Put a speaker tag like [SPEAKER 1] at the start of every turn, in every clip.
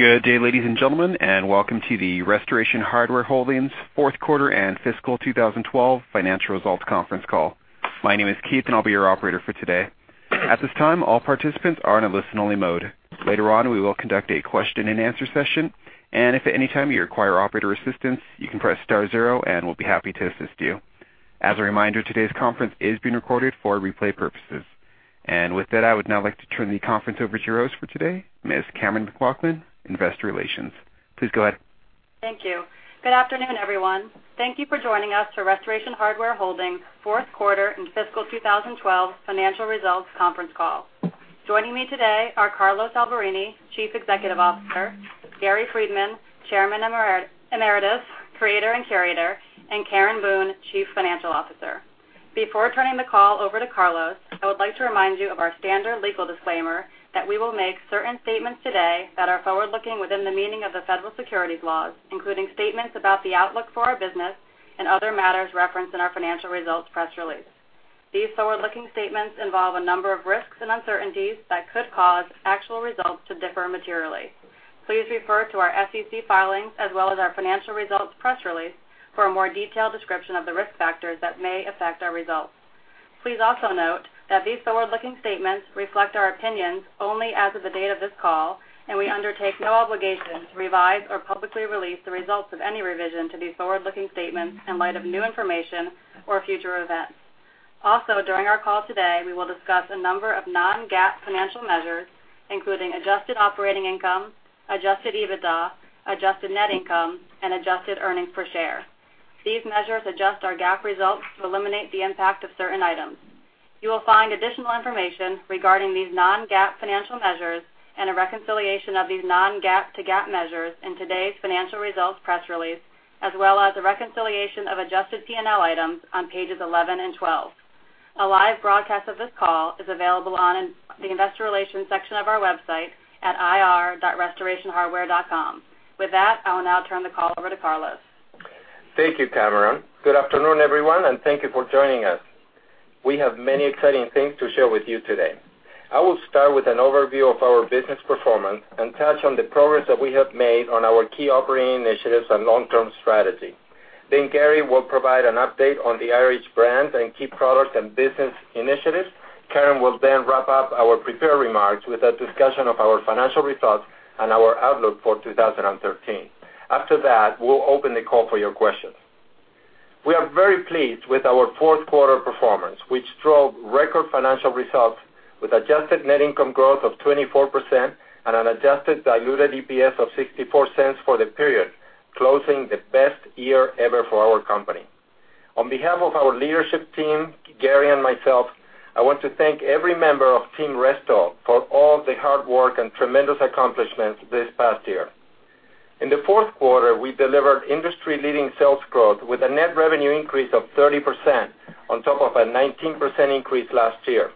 [SPEAKER 1] Good day, ladies and gentlemen, and welcome to the Restoration Hardware Holdings Fourth Quarter and Fiscal 2012 Financial Results Conference Call. My name is Keith and I'll be your operator for today. At this time, all participants are in a listen-only mode. Later on, we will conduct a question and answer session. If at any time you require operator assistance, you can press star zero and we'll be happy to assist you. As a reminder, today's conference is being recorded for replay purposes. With that, I would now like to turn the conference over to your host for today, Ms. Cammeron McLaughlin, Investor Relations. Please go ahead.
[SPEAKER 2] Thank you. Good afternoon, everyone. Thank you for joining us for Restoration Hardware Holdings Fourth Quarter and Fiscal 2012 Financial Results Conference Call. Joining me today are Carlos Alberini, Chief Executive Officer, Gary Friedman, Chairman Emeritus, Creator and Curator, and Karen Boone, Chief Financial Officer. Before turning the call over to Carlos, I would like to remind you of our standard legal disclaimer that we will make certain statements today that are forward-looking within the meaning of the federal securities laws, including statements about the outlook for our business and other matters referenced in our financial results press release. These forward-looking statements involve a number of risks and uncertainties that could cause actual results to differ materially. Please refer to our SEC filings as well as our financial results press release for a more detailed description of the risk factors that may affect our results. Please also note that these forward-looking statements reflect our opinions only as of the date of this call, and we undertake no obligation to revise or publicly release the results of any revision to these forward-looking statements in light of new information or future events. During our call today, we will discuss a number of non-GAAP financial measures, including adjusted operating income, adjusted EBITDA, adjusted net income and adjusted earnings per share. These measures adjust our GAAP results to eliminate the impact of certain items. You will find additional information regarding these non-GAAP financial measures and a reconciliation of these non-GAAP to GAAP measures in today's financial results press release, as well as a reconciliation of adjusted P&L items on pages 11 and 12. A live broadcast of this call is available on the investor relations section of our website at ir.restorationhardware.com. With that, I will now turn the call over to Carlos.
[SPEAKER 3] Thank you, Cammeron. Good afternoon, everyone, and thank you for joining us. We have many exciting things to share with you today. I will start with an overview of our business performance and touch on the progress that we have made on our key operating initiatives and long-term strategy. Gary will provide an update on the RH brand and key products and business initiatives. Karen will then wrap up our prepared remarks with a discussion of our financial results and our outlook for 2013. After that, we will open the call for your questions. We are very pleased with our fourth quarter performance, which drove record financial results with adjusted net income growth of 24% and an adjusted diluted EPS of $0.64 for the period, closing the best year ever for our company. On behalf of our leadership team, Gary, and myself, I want to thank every member of Team Resto for all the hard work and tremendous accomplishments this past year. In the fourth quarter, we delivered industry-leading sales growth with a net revenue increase of 30% on top of a 19% increase last year.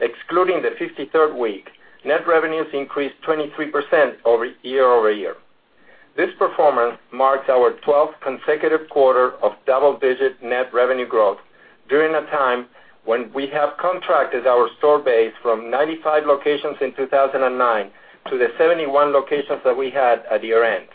[SPEAKER 3] Excluding the 53rd week, net revenues increased 23% year-over-year. This performance marks our 12th consecutive quarter of double-digit net revenue growth during a time when we have contracted our store base from 95 locations in 2009 to the 71 locations that we had at year-end.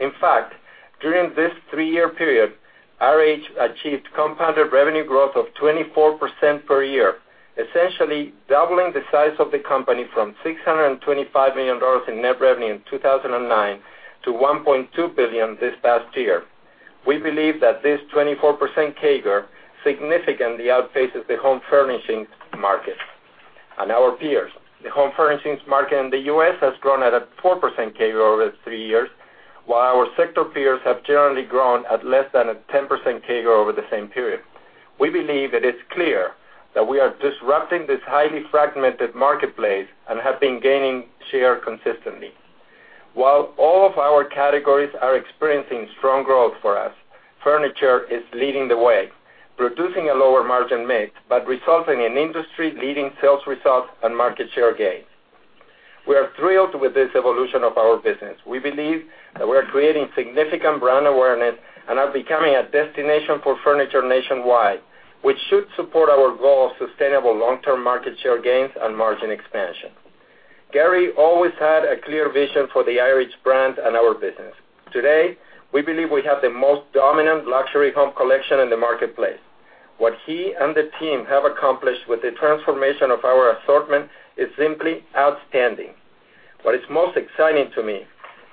[SPEAKER 3] In fact, during this three-year period, RH achieved compounded revenue growth of 24% per year, essentially doubling the size of the company from $625 million in net revenue in 2009 to $1.2 billion this past year. We believe that this 24% CAGR significantly outpaces the home furnishings market and our peers. The home furnishings market in the U.S. has grown at a 4% CAGR over three years, while our sector peers have generally grown at less than a 10% CAGR over the same period. We believe that it is clear that we are disrupting this highly fragmented marketplace and have been gaining share consistently. While all of our categories are experiencing strong growth for us, furniture is leading the way. Producing a lower margin mix, resulting in industry-leading sales results and market share gains. We are thrilled with this evolution of our business. We believe that we are creating significant brand awareness and are becoming a destination for furniture nationwide, which should support our goal of sustainable long-term market share gains and margin expansion. Gary always had a clear vision for the RH brand and our business. Today, we believe we have the most dominant luxury home collection in the marketplace. What he and the team have accomplished with the transformation of our assortment is simply outstanding. What is most exciting to me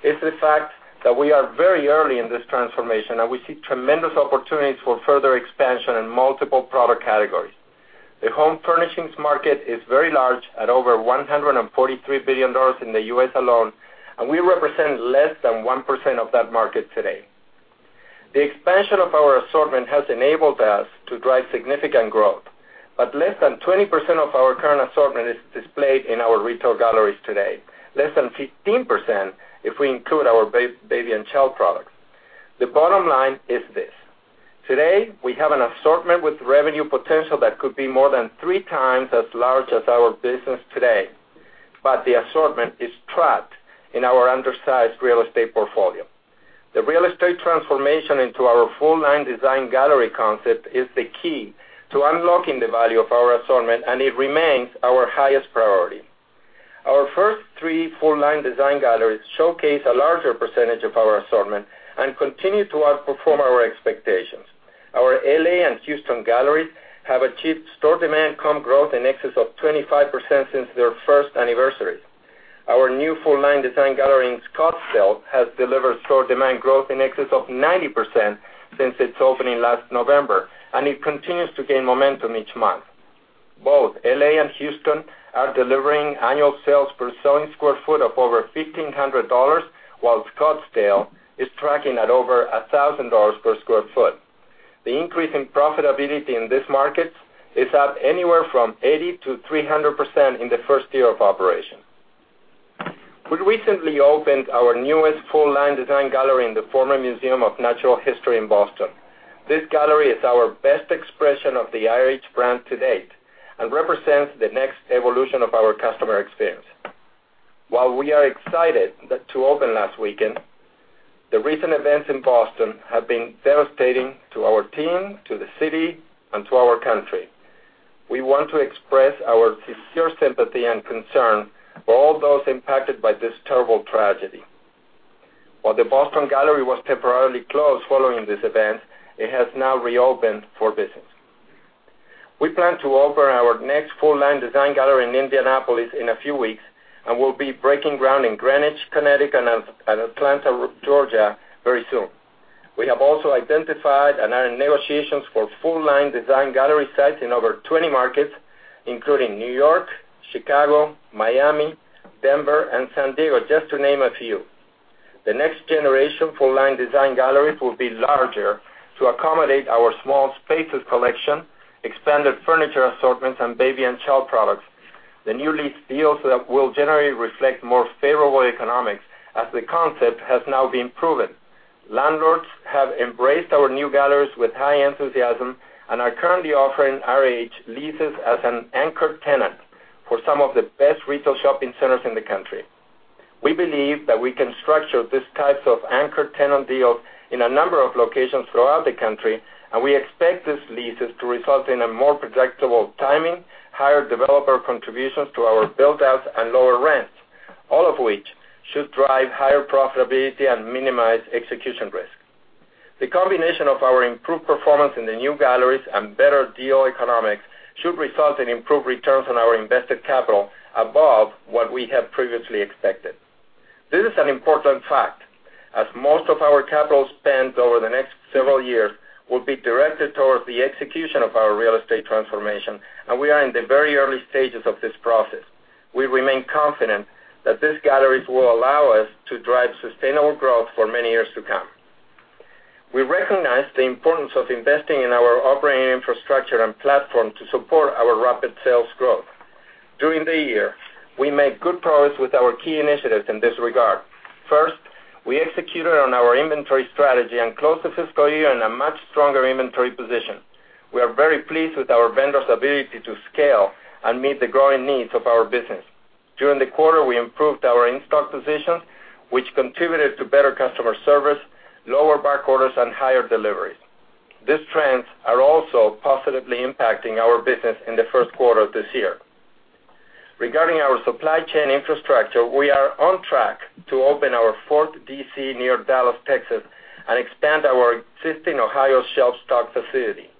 [SPEAKER 3] is the fact that we are very early in this transformation. We see tremendous opportunities for further expansion in multiple product categories. The home furnishings market is very large at over $143 billion in the U.S. alone, and we represent less than 1% of that market today. The expansion of our assortment has enabled us to drive significant growth, less than 20% of our current assortment is displayed in our retail galleries today. Less than 15% if we include our baby and child products. The bottom line is this: today, we have an assortment with revenue potential that could be more than 3 times as large as our business today, but the assortment is trapped in our undersized real estate portfolio. The real estate transformation into our full-line design gallery concept is the key to unlocking the value of our assortment, and it remains our highest priority. Our first three full-line design galleries showcase a larger percentage of our assortment and continue to outperform our expectations. Our L.A. and Houston galleries have achieved store demand comp growth in excess of 25% since their first anniversary. Our new full-line design gallery in Scottsdale has delivered store demand growth in excess of 90% since its opening last November, and it continues to gain momentum each month. Both L.A. and Houston are delivering annual sales per selling square foot of over $1,500, while Scottsdale is tracking at over $1,000 per square foot. The increase in profitability in these markets is up anywhere from 80%-300% in the first year of operation. We recently opened our newest full-line design gallery in the former Museum of Natural History in Boston. This gallery is our best expression of the RH brand to date and represents the next evolution of our customer experience. While we are excited to open last weekend, the recent events in Boston have been devastating to our team, to the city, and to our country. We want to express our sincere sympathy and concern for all those impacted by this terrible tragedy. While the Boston gallery was temporarily closed following this event, it has now reopened for business. We plan to open our next full-line design gallery in Indianapolis in a few weeks and will be breaking ground in Greenwich, Connecticut, and Atlanta, Georgia, very soon. We have also identified and are in negotiations for full-line design gallery sites in over 20 markets, including New York, Chicago, Miami, Denver, and San Diego, just to name a few. The next generation full-line design galleries will be larger to accommodate our small spaces collection, expanded furniture assortments, and baby and child products. The new lease deals will generally reflect more favorable economics, as the concept has now been proven. Landlords have embraced our new galleries with high enthusiasm and are currently offering RH leases as an anchor tenant for some of the best retail shopping centers in the country. We believe that we can structure these types of anchor tenant deals in a number of locations throughout the country, and we expect these leases to result in a more predictable timing, higher developer contributions to our build-outs, and lower rents, all of which should drive higher profitability and minimize execution risk. The combination of our improved performance in the new galleries and better deal economics should result in improved returns on our invested capital above what we had previously expected. This is an important fact, as most of our capital spend over the next several years will be directed towards the execution of our real estate transformation, and we are in the very early stages of this process. We remain confident that these galleries will allow us to drive sustainable growth for many years to come. We recognize the importance of investing in our operating infrastructure and platform to support our rapid sales growth. During the year, we made good progress with our key initiatives in this regard. First, we executed on our inventory strategy and closed the fiscal year in a much stronger inventory position. We are very pleased with our vendors' ability to scale and meet the growing needs of our business. During the quarter, we improved our in-stock positions, which contributed to better customer service, lower backorders, and higher deliveries. These trends are also positively impacting our business in the first quarter of this year. Regarding our supply chain infrastructure, we are on track to open our fourth DC near Dallas, Texas, and expand our existing Ohio shelf stock facility.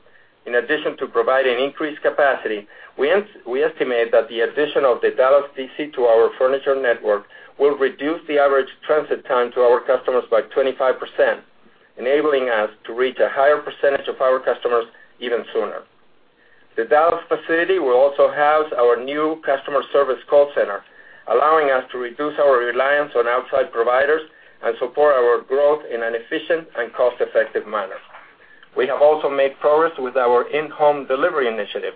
[SPEAKER 3] In addition to providing increased capacity, we estimate that the addition of the Dallas DC to our furniture network will reduce the average transit time to our customers by 25%, enabling us to reach a higher percentage of our customers even sooner. The Dallas facility will also house our new customer service call center, allowing us to reduce our reliance on outside providers and support our growth in an efficient and cost-effective manner. We have also made progress with our in-home delivery initiative.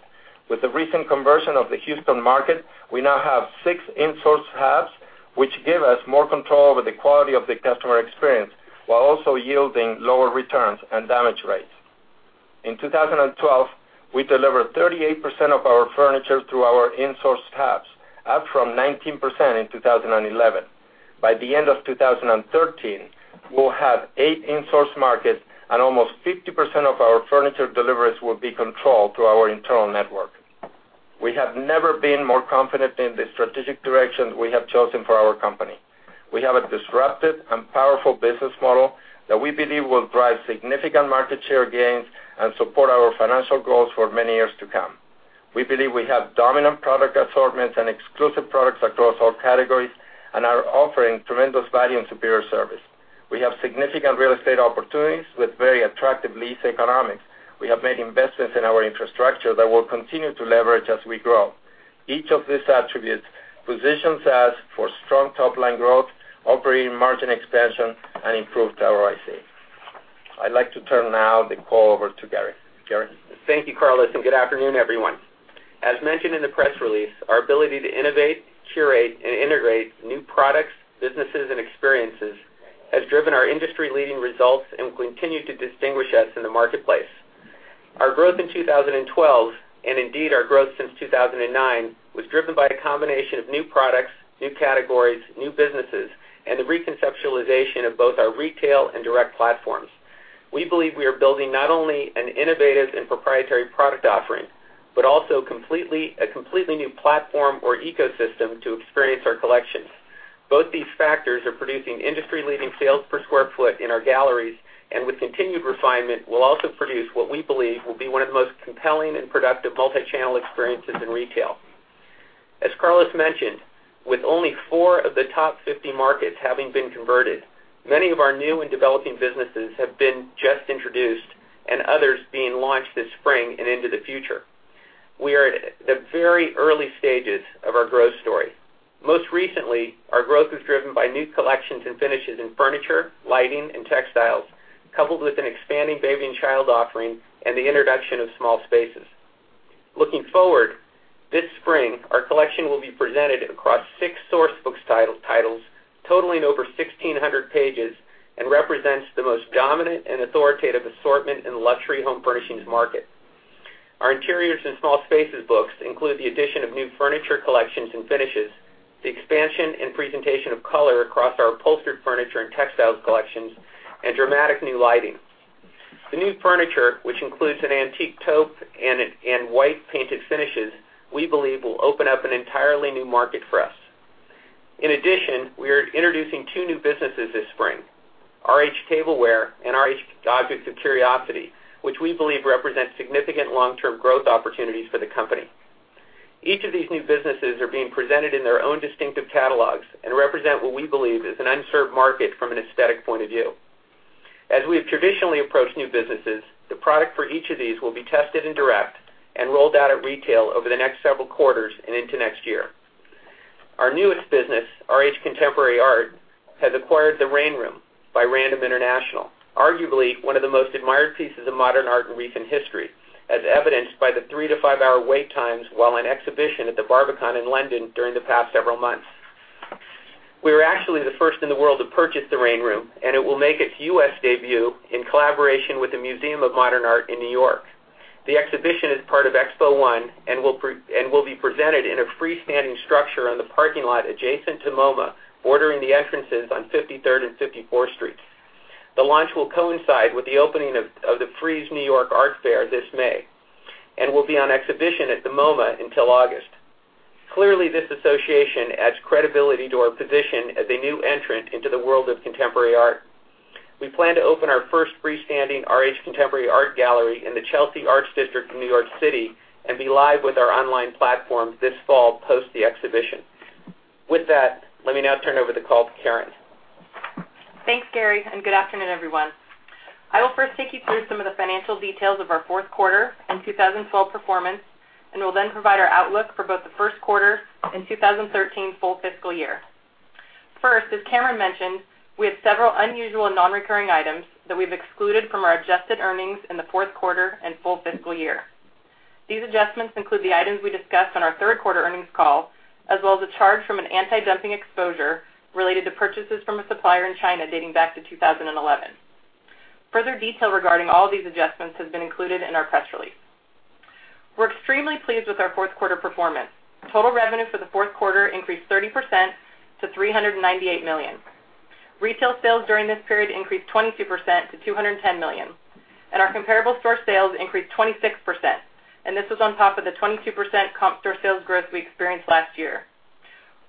[SPEAKER 3] With the recent conversion of the Houston market, we now have six in-source hubs, which give us more control over the quality of the customer experience while also yielding lower returns and damage rates. In 2012, we delivered 38% of our furniture through our in-source hubs, up from 19% in 2011. By the end of 2013, we'll have eight in-source markets and almost 50% of our furniture deliveries will be controlled through our internal network. We have never been more confident in the strategic direction we have chosen for our company. We have a disruptive and powerful business model that we believe will drive significant market share gains and support our financial goals for many years to come. We believe we have dominant product assortments and exclusive products across all categories and are offering tremendous value and superior service. We have significant real estate opportunities with very attractive lease economics. We have made investments in our infrastructure that we'll continue to leverage as we grow. Each of these attributes positions us for strong top-line growth, operating margin expansion, and improved ROIC. I'd like to turn now the call over to Gary. Gary?
[SPEAKER 4] Thank you, Carlos. Good afternoon, everyone. As mentioned in the press release, our ability to innovate, curate, and integrate new products, businesses, and experiences has driven our industry-leading results and will continue to distinguish us in the marketplace. Our growth in 2012, and indeed our growth since 2009, was driven by a combination of new products, new categories, new businesses, and the reconceptualization of both our retail and direct platforms. We believe we are building not only an innovative and proprietary product offering, but also a completely new platform or ecosystem to experience our collections. Both these factors are producing industry-leading sales per sq ft in our galleries, and with continued refinement, will also produce what we believe will be one of the most compelling and productive multi-channel experiences in retail. As Carlos mentioned, with only four of the top 50 markets having been converted, many of our new and developing businesses have been just introduced, and others being launched this spring and into the future. We are at the very early stages of our growth story. Most recently, our growth was driven by new collections and finishes in furniture, lighting, and textiles, coupled with an expanding RH Baby & Child offering and the introduction of small spaces. Looking forward, this spring, our collection will be presented across six source books titles totaling over 1,600 pages and represents the most dominant and authoritative assortment in the luxury home furnishings market. Our interiors and small spaces books include the addition of new furniture collections and finishes, the expansion and presentation of color across our upholstered furniture and textiles collections, and dramatic new lighting. The new furniture, which includes an antique taupe and white painted finishes, we believe will open up an entirely new market for us. In addition, we are introducing two new businesses this spring: RH Tableware and RH Objects of Curiosity, which we believe represent significant long-term growth opportunities for the company. Each of these new businesses are being presented in their own distinctive catalogs and represent what we believe is an unserved market from an aesthetic point of view. As we've traditionally approached new businesses, the product for each of these will be tested in direct and rolled out at retail over the next several quarters and into next year. Our newest business, RH Contemporary Art, has acquired the Rain Room by Random International, arguably one of the most admired pieces of modern art in recent history, as evidenced by the three to five-hour wait times while on exhibition at the Barbican in London during the past several months. We were actually the first in the world to purchase the Rain Room, and it will make its U.S. debut in collaboration with The Museum of Modern Art in New York. The exhibition is part of Expo 1 and will be presented in a freestanding structure on the parking lot adjacent to MoMA, bordering the entrances on 53rd and 54th Streets. The launch will coincide with the opening of the Frieze New York Art Fair this May and will be on exhibition at the MoMA until August. Clearly, this association adds credibility to our position as a new entrant into the world of contemporary art. We plan to open our first freestanding RH Contemporary Art gallery in the Chelsea Arts District in New York City and be live with our online platform this fall post the exhibition. With that, let me now turn over the call to Karen.
[SPEAKER 5] Thanks, Gary, and good afternoon, everyone. I will first take you through some of the financial details of our fourth quarter and 2012 performance, and will then provide our outlook for both the first quarter and 2013 full fiscal year. First, as Cammeron mentioned, we had several unusual non-recurring items that we've excluded from our adjusted earnings in the fourth quarter and full fiscal year. These adjustments include the items we discussed on our third quarter earnings call, as well as a charge from an anti-dumping exposure related to purchases from a supplier in China dating back to 2011. Further detail regarding all of these adjustments has been included in our press release. We're extremely pleased with our fourth quarter performance. Total revenue for the fourth quarter increased 30% to $398 million. Retail sales during this period increased 22% to $210 million. Our comparable store sales increased 26%, and this was on top of the 22% comp store sales growth we experienced last year.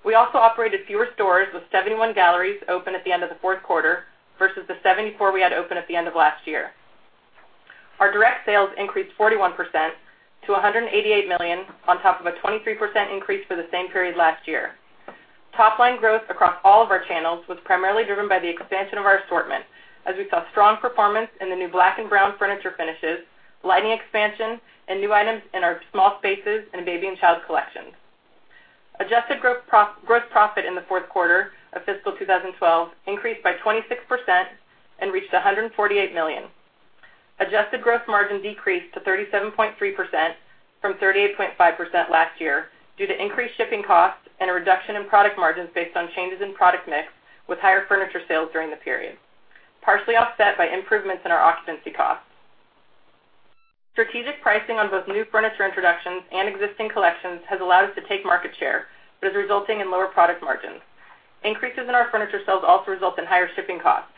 [SPEAKER 5] We also operated fewer stores, with 71 galleries open at the end of the fourth quarter versus the 74 we had open at the end of last year. Our direct sales increased 41% to $188 million, on top of a 23% increase for the same period last year. Topline growth across all of our channels was primarily driven by the expansion of our assortment, as we saw strong performance in the new black and brown furniture finishes, lighting expansion, and new items in our small spaces and baby and child collections. Adjusted gross profit in the fourth quarter of fiscal 2012 increased by 26% and reached $148 million. Adjusted gross margin decreased to 37.3% from 38.5% last year due to increased shipping costs and a reduction in product margins based on changes in product mix with higher furniture sales during the period, partially offset by improvements in our occupancy costs. Strategic pricing on both new furniture introductions and existing collections has allowed us to take market share but is resulting in lower product margins. Increases in our furniture sales also result in higher shipping costs.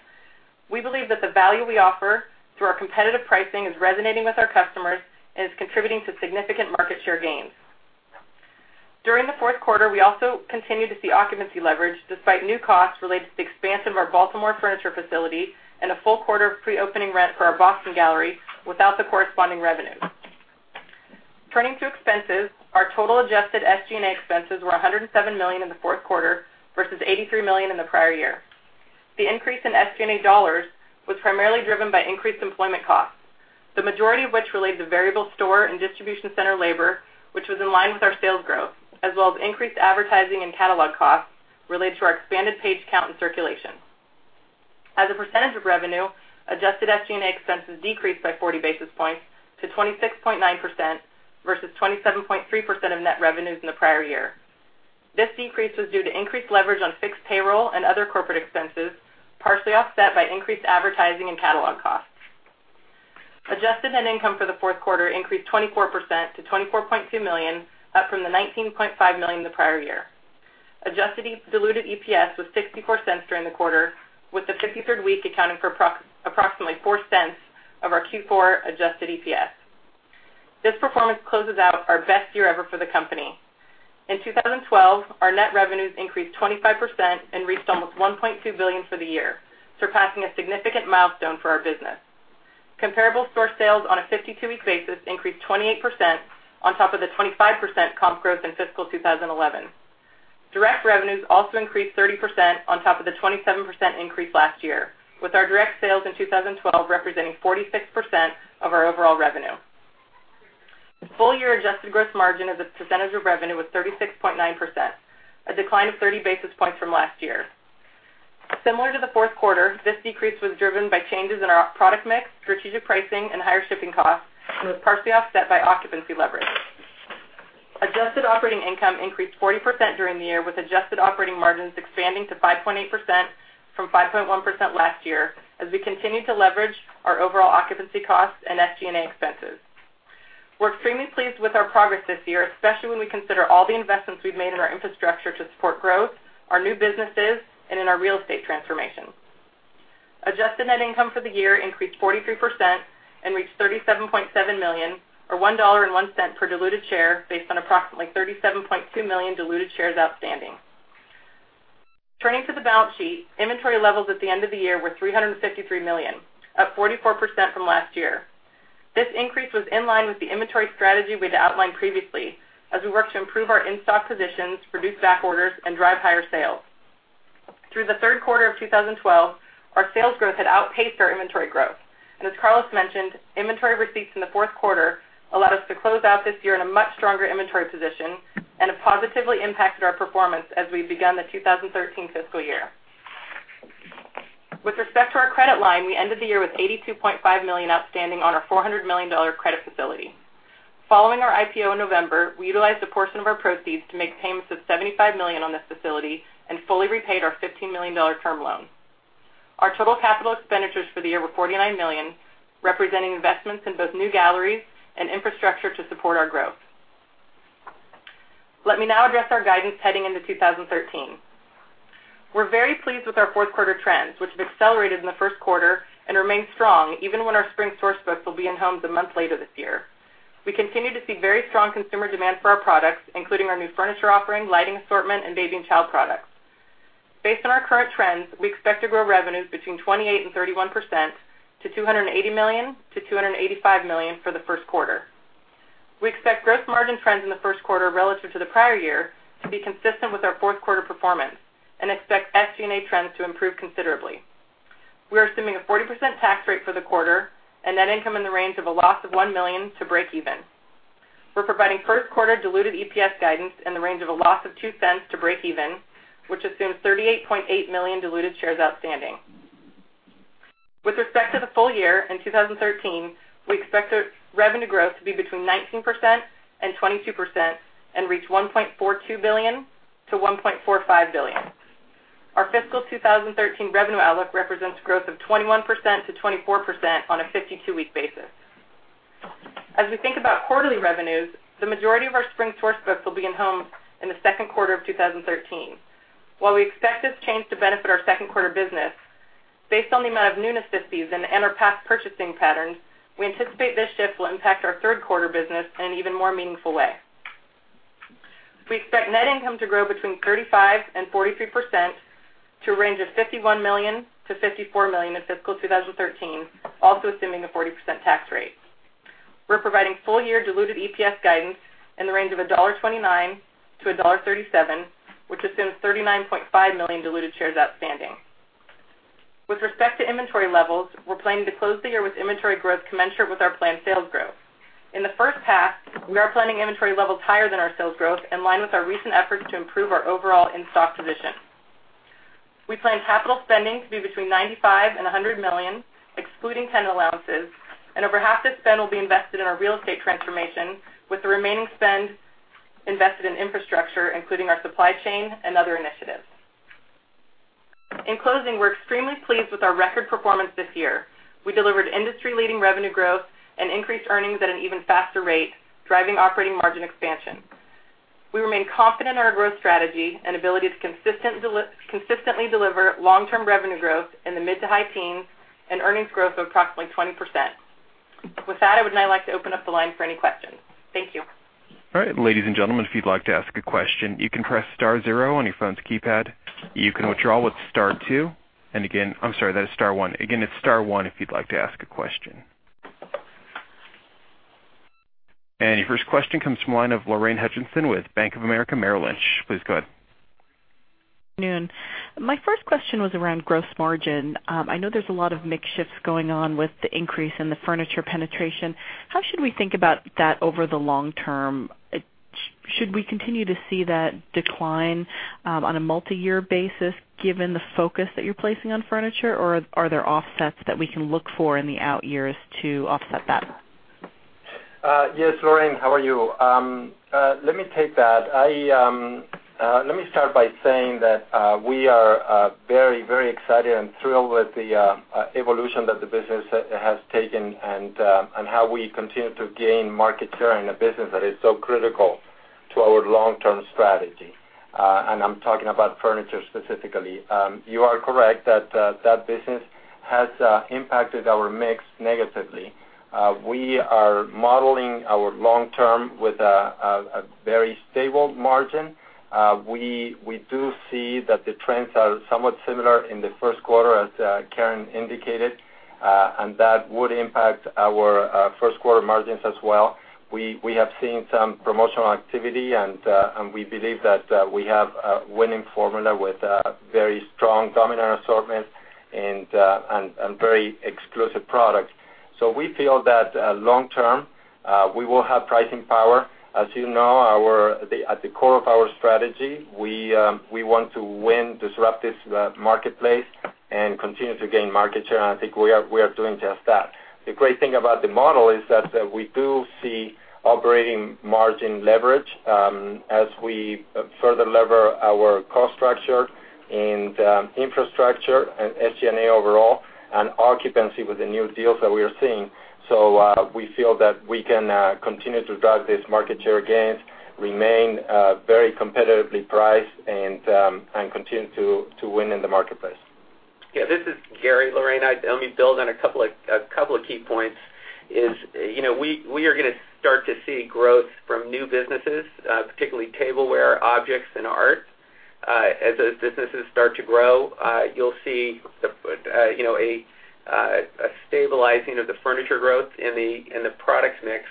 [SPEAKER 5] We believe that the value we offer through our competitive pricing is resonating with our customers and is contributing to significant market share gains. During the fourth quarter, we also continued to see occupancy leverage despite new costs related to the expansion of our Baltimore furniture facility and a full quarter of pre-opening rent for our Boston gallery without the corresponding revenue. Turning to expenses, our total adjusted SG&A expenses were $107 million in the fourth quarter versus $83 million in the prior year. The increase in SG&A dollars was primarily driven by increased employment costs, the majority of which relate to variable store and distribution center labor, which was in line with our sales growth, as well as increased advertising and catalog costs related to our expanded page count and circulation. As a percentage of revenue, adjusted SG&A expenses decreased by 40 basis points to 26.9% versus 27.3% of net revenues in the prior year. This decrease was due to increased leverage on fixed payroll and other corporate expenses, partially offset by increased advertising and catalog costs. Adjusted net income for the fourth quarter increased 24% to $24.2 million, up from the $19.5 million the prior year. Adjusted diluted EPS was $0.64 during the quarter, with the 53rd week accounting for approximately $0.04 of our Q4 adjusted EPS. This performance closes out our best year ever for the company. In 2012, our net revenues increased 25% and reached almost $1.2 billion for the year, surpassing a significant milestone for our business. Comparable store sales on a 52-week basis increased 28% on top of the 25% comp growth in fiscal 2011. Direct revenues also increased 30% on top of the 27% increase last year, with our direct sales in 2012 representing 46% of our overall revenue. Full-year adjusted gross margin as a percentage of revenue was 36.9%, a decline of 30 basis points from last year. Similar to the fourth quarter, this decrease was driven by changes in our product mix, strategic pricing, and higher shipping costs, and was partially offset by occupancy leverage. Adjusted operating income increased 40% during the year, with adjusted operating margins expanding to 5.8% from 5.1% last year as we continued to leverage our overall occupancy costs and SG&A expenses. We're extremely pleased with our progress this year, especially when we consider all the investments we've made in our infrastructure to support growth, our new businesses, and in our real estate transformation. Adjusted net income for the year increased 43% and reached $37.7 million, or $1.01 per diluted share based on approximately 37.2 million diluted shares outstanding. Turning to the balance sheet, inventory levels at the end of the year were $353 million, up 44% from last year. This increase was in line with the inventory strategy we'd outlined previously as we work to improve our in-stock positions, reduce back orders, and drive higher sales. Through the third quarter of 2012, our sales growth had outpaced our inventory growth. As Carlos mentioned, inventory receipts in the fourth quarter allowed us to close out this year in a much stronger inventory position and have positively impacted our performance as we've begun the 2013 fiscal year. With respect to our credit line, we ended the year with $82.5 million outstanding on our $400 million credit facility. Following our IPO in November, we utilized a portion of our proceeds to make payments of $75 million on this facility and fully repaid our $15 million term loan. Our total capital expenditures for the year were $49 million, representing investments in both new galleries and infrastructure to support our growth. Let me now address our guidance heading into 2013. We're very pleased with our fourth quarter trends, which have accelerated in the first quarter and remain strong even when our spring source books will be in homes a month later this year. We continue to see very strong consumer demand for our products, including our new furniture offering, lighting assortment, and baby and child products. Based on our current trends, we expect to grow revenues between 28%-31% to $280 million-$285 million for the first quarter. We expect gross margin trends in the first quarter relative to the prior year to be consistent with our fourth quarter performance and expect SG&A trends to improve considerably. We are assuming a 40% tax rate for the quarter and net income in the range of a loss of $1 million to break even. We're providing first quarter diluted EPS guidance in the range of a loss of $0.02 to break even, which assumes 38.8 million diluted shares outstanding. With respect to the full year in 2013, we expect revenue growth to be between 19% and 22% and reach $1.42 billion-$1.45 billion. Our fiscal 2013 revenue outlook represents growth of 21%-24% on a 52-week basis. As we think about quarterly revenues, the majority of our spring source books will be in homes in the second quarter of 2013. While we expect this change to benefit our second quarter business, based on the amount of newness this season and our past purchasing patterns, we anticipate this shift will impact our third quarter business in an even more meaningful way. We expect net income to grow between 35% and 43% to a range of $51 million-$54 million in fiscal 2013, also assuming a 40% tax rate. We're providing full-year diluted EPS guidance in the range of $1.29-$1.37, which assumes 39.5 million diluted shares outstanding. With respect to inventory levels, we're planning to close the year with inventory growth commensurate with our planned sales growth. In the first half, we are planning inventory levels higher than our sales growth, in line with our recent efforts to improve our overall in-stock position. We plan capital spending to be between $95 million and $100 million, excluding tenant allowances, and over half the spend will be invested in our real estate transformation, with the remaining spend invested in infrastructure, including our supply chain and other initiatives. In closing, we're extremely pleased with our record performance this year. We delivered industry-leading revenue growth and increased earnings at an even faster rate, driving operating margin expansion. We remain confident in our growth strategy and ability to consistently deliver long-term revenue growth in the mid to high teens and earnings growth of approximately 20%. I would now like to open up the line for any questions. Thank you.
[SPEAKER 1] All right. Ladies and gentlemen, if you'd like to ask a question, you can press *0 on your phone's keypad. You can withdraw with *2. Again, I'm sorry, that is *1. Again, it's *1 if you'd like to ask a question. Your first question comes from the line of Lorraine Hutchinson with Bank of America Merrill Lynch. Please go ahead.
[SPEAKER 6] Good afternoon. My first question was around gross margin. I know there's a lot of mix shifts going on with the increase in the furniture penetration. How should we think about that over the long term? Should we continue to see that decline on a multiyear basis given the focus that you're placing on furniture, or are there offsets that we can look for in the out years to offset that?
[SPEAKER 3] Yes, Lorraine, how are you? Let me take that. Let me start by saying that we are very excited and thrilled with the evolution that the business has taken and how we continue to gain market share in a business that is so critical to our long-term strategy. I'm talking about furniture specifically. You are correct that that business has impacted our mix negatively. We are modeling our long-term with a very stable margin. We do see that the trends are somewhat similar in the first quarter as Karen indicated, and that would impact our first-quarter margins as well. We have seen some promotional activity, and we believe that we have a winning formula with a very strong dominant assortment and very exclusive products. We feel that long-term, we will have pricing power. As you know, at the core of our strategy, we want to win, disrupt this marketplace, and continue to gain market share, and I think we are doing just that. The great thing about the model is that we do see operating margin leverage as we further lever our cost structure and infrastructure and SG&A overall and occupancy with the new deals that we are seeing. We feel that we can continue to drive this market share gains, remain very competitively priced, and continue to win in the marketplace.
[SPEAKER 4] Yeah, this is Gary. Lorraine, let me build on a couple of key points is we are going to start to see growth from new businesses, particularly tableware, objects, and art. As those businesses start to grow, you'll see a stabilizing of the furniture growth in the product mix.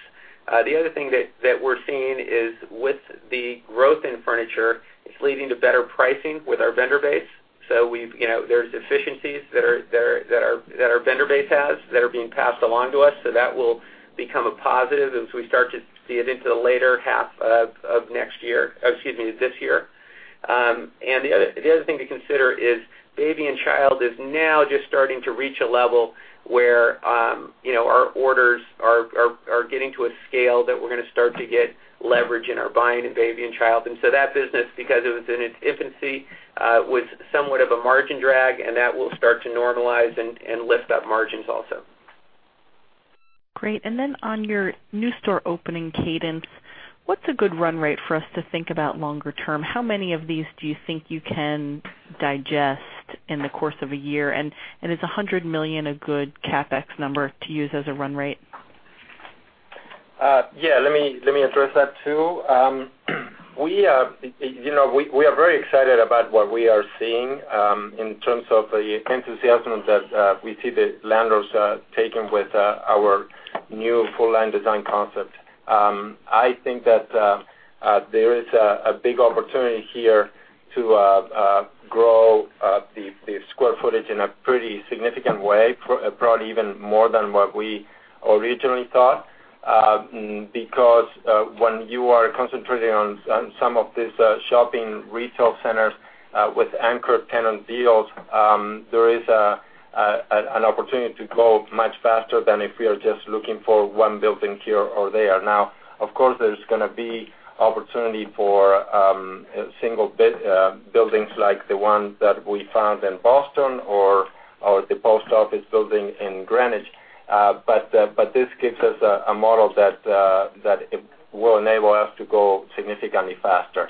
[SPEAKER 4] The other thing that we're seeing is with the growth in furniture, it's leading to better pricing with our vendor base. There's efficiencies that our vendor base has that are being passed along to us, so that will become a positive as we start to see it into the later half of this year. The other thing to consider is Baby and Child is now just starting to reach a level where our orders are getting to a scale that we're going to start to get leverage in our buying in Baby and Child. That business, because it was in its infancy, was somewhat of a margin drag, and that will start to normalize and lift up margins also.
[SPEAKER 6] Great. On your new store opening cadence, what's a good run rate for us to think about longer term? How many of these do you think you can digest in the course of a year? Is $100 million a good CapEx number to use as a run rate?
[SPEAKER 3] Yeah, let me address that, too. We are very excited about what we are seeing in terms of the enthusiasm that we see the landlords taking with our new full-line design concept. I think that there is a big opportunity here to grow the square footage in a pretty significant way, probably even more than what we originally thought. Because when you are concentrating on some of these shopping retail centers with anchor tenant deals, there is an opportunity to grow much faster than if we are just looking for one building here or there. Now, of course, there's going to be opportunity for single buildings like the one that we found in Boston or the post office building in Greenwich. This gives us a model that will enable us to go significantly faster.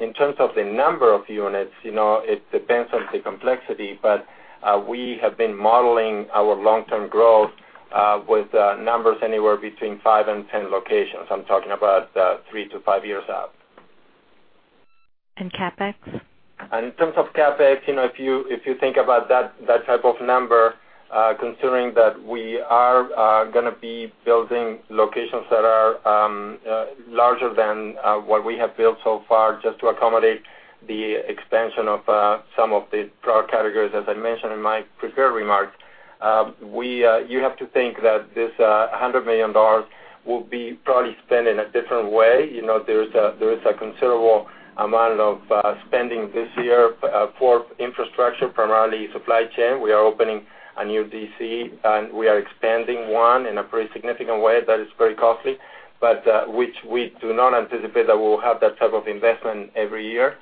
[SPEAKER 3] In terms of the number of units, it depends on the complexity, but we have been modeling our long-term growth with numbers anywhere between five and 10 locations. I'm talking about three to five years out.
[SPEAKER 6] CapEx?
[SPEAKER 3] In terms of CapEx, if you think about that type of number, considering that we are going to be building locations that are larger than what we have built so far just to accommodate the expansion of some of the product categories, as I mentioned in my prepared remarks, you have to think that this $100 million will be probably spent in a different way. There is a considerable amount of spending this year for infrastructure, primarily supply chain. We are opening a new DC, and we are expanding one in a pretty significant way that is very costly, but which we do not anticipate that we will have that type of investment every year.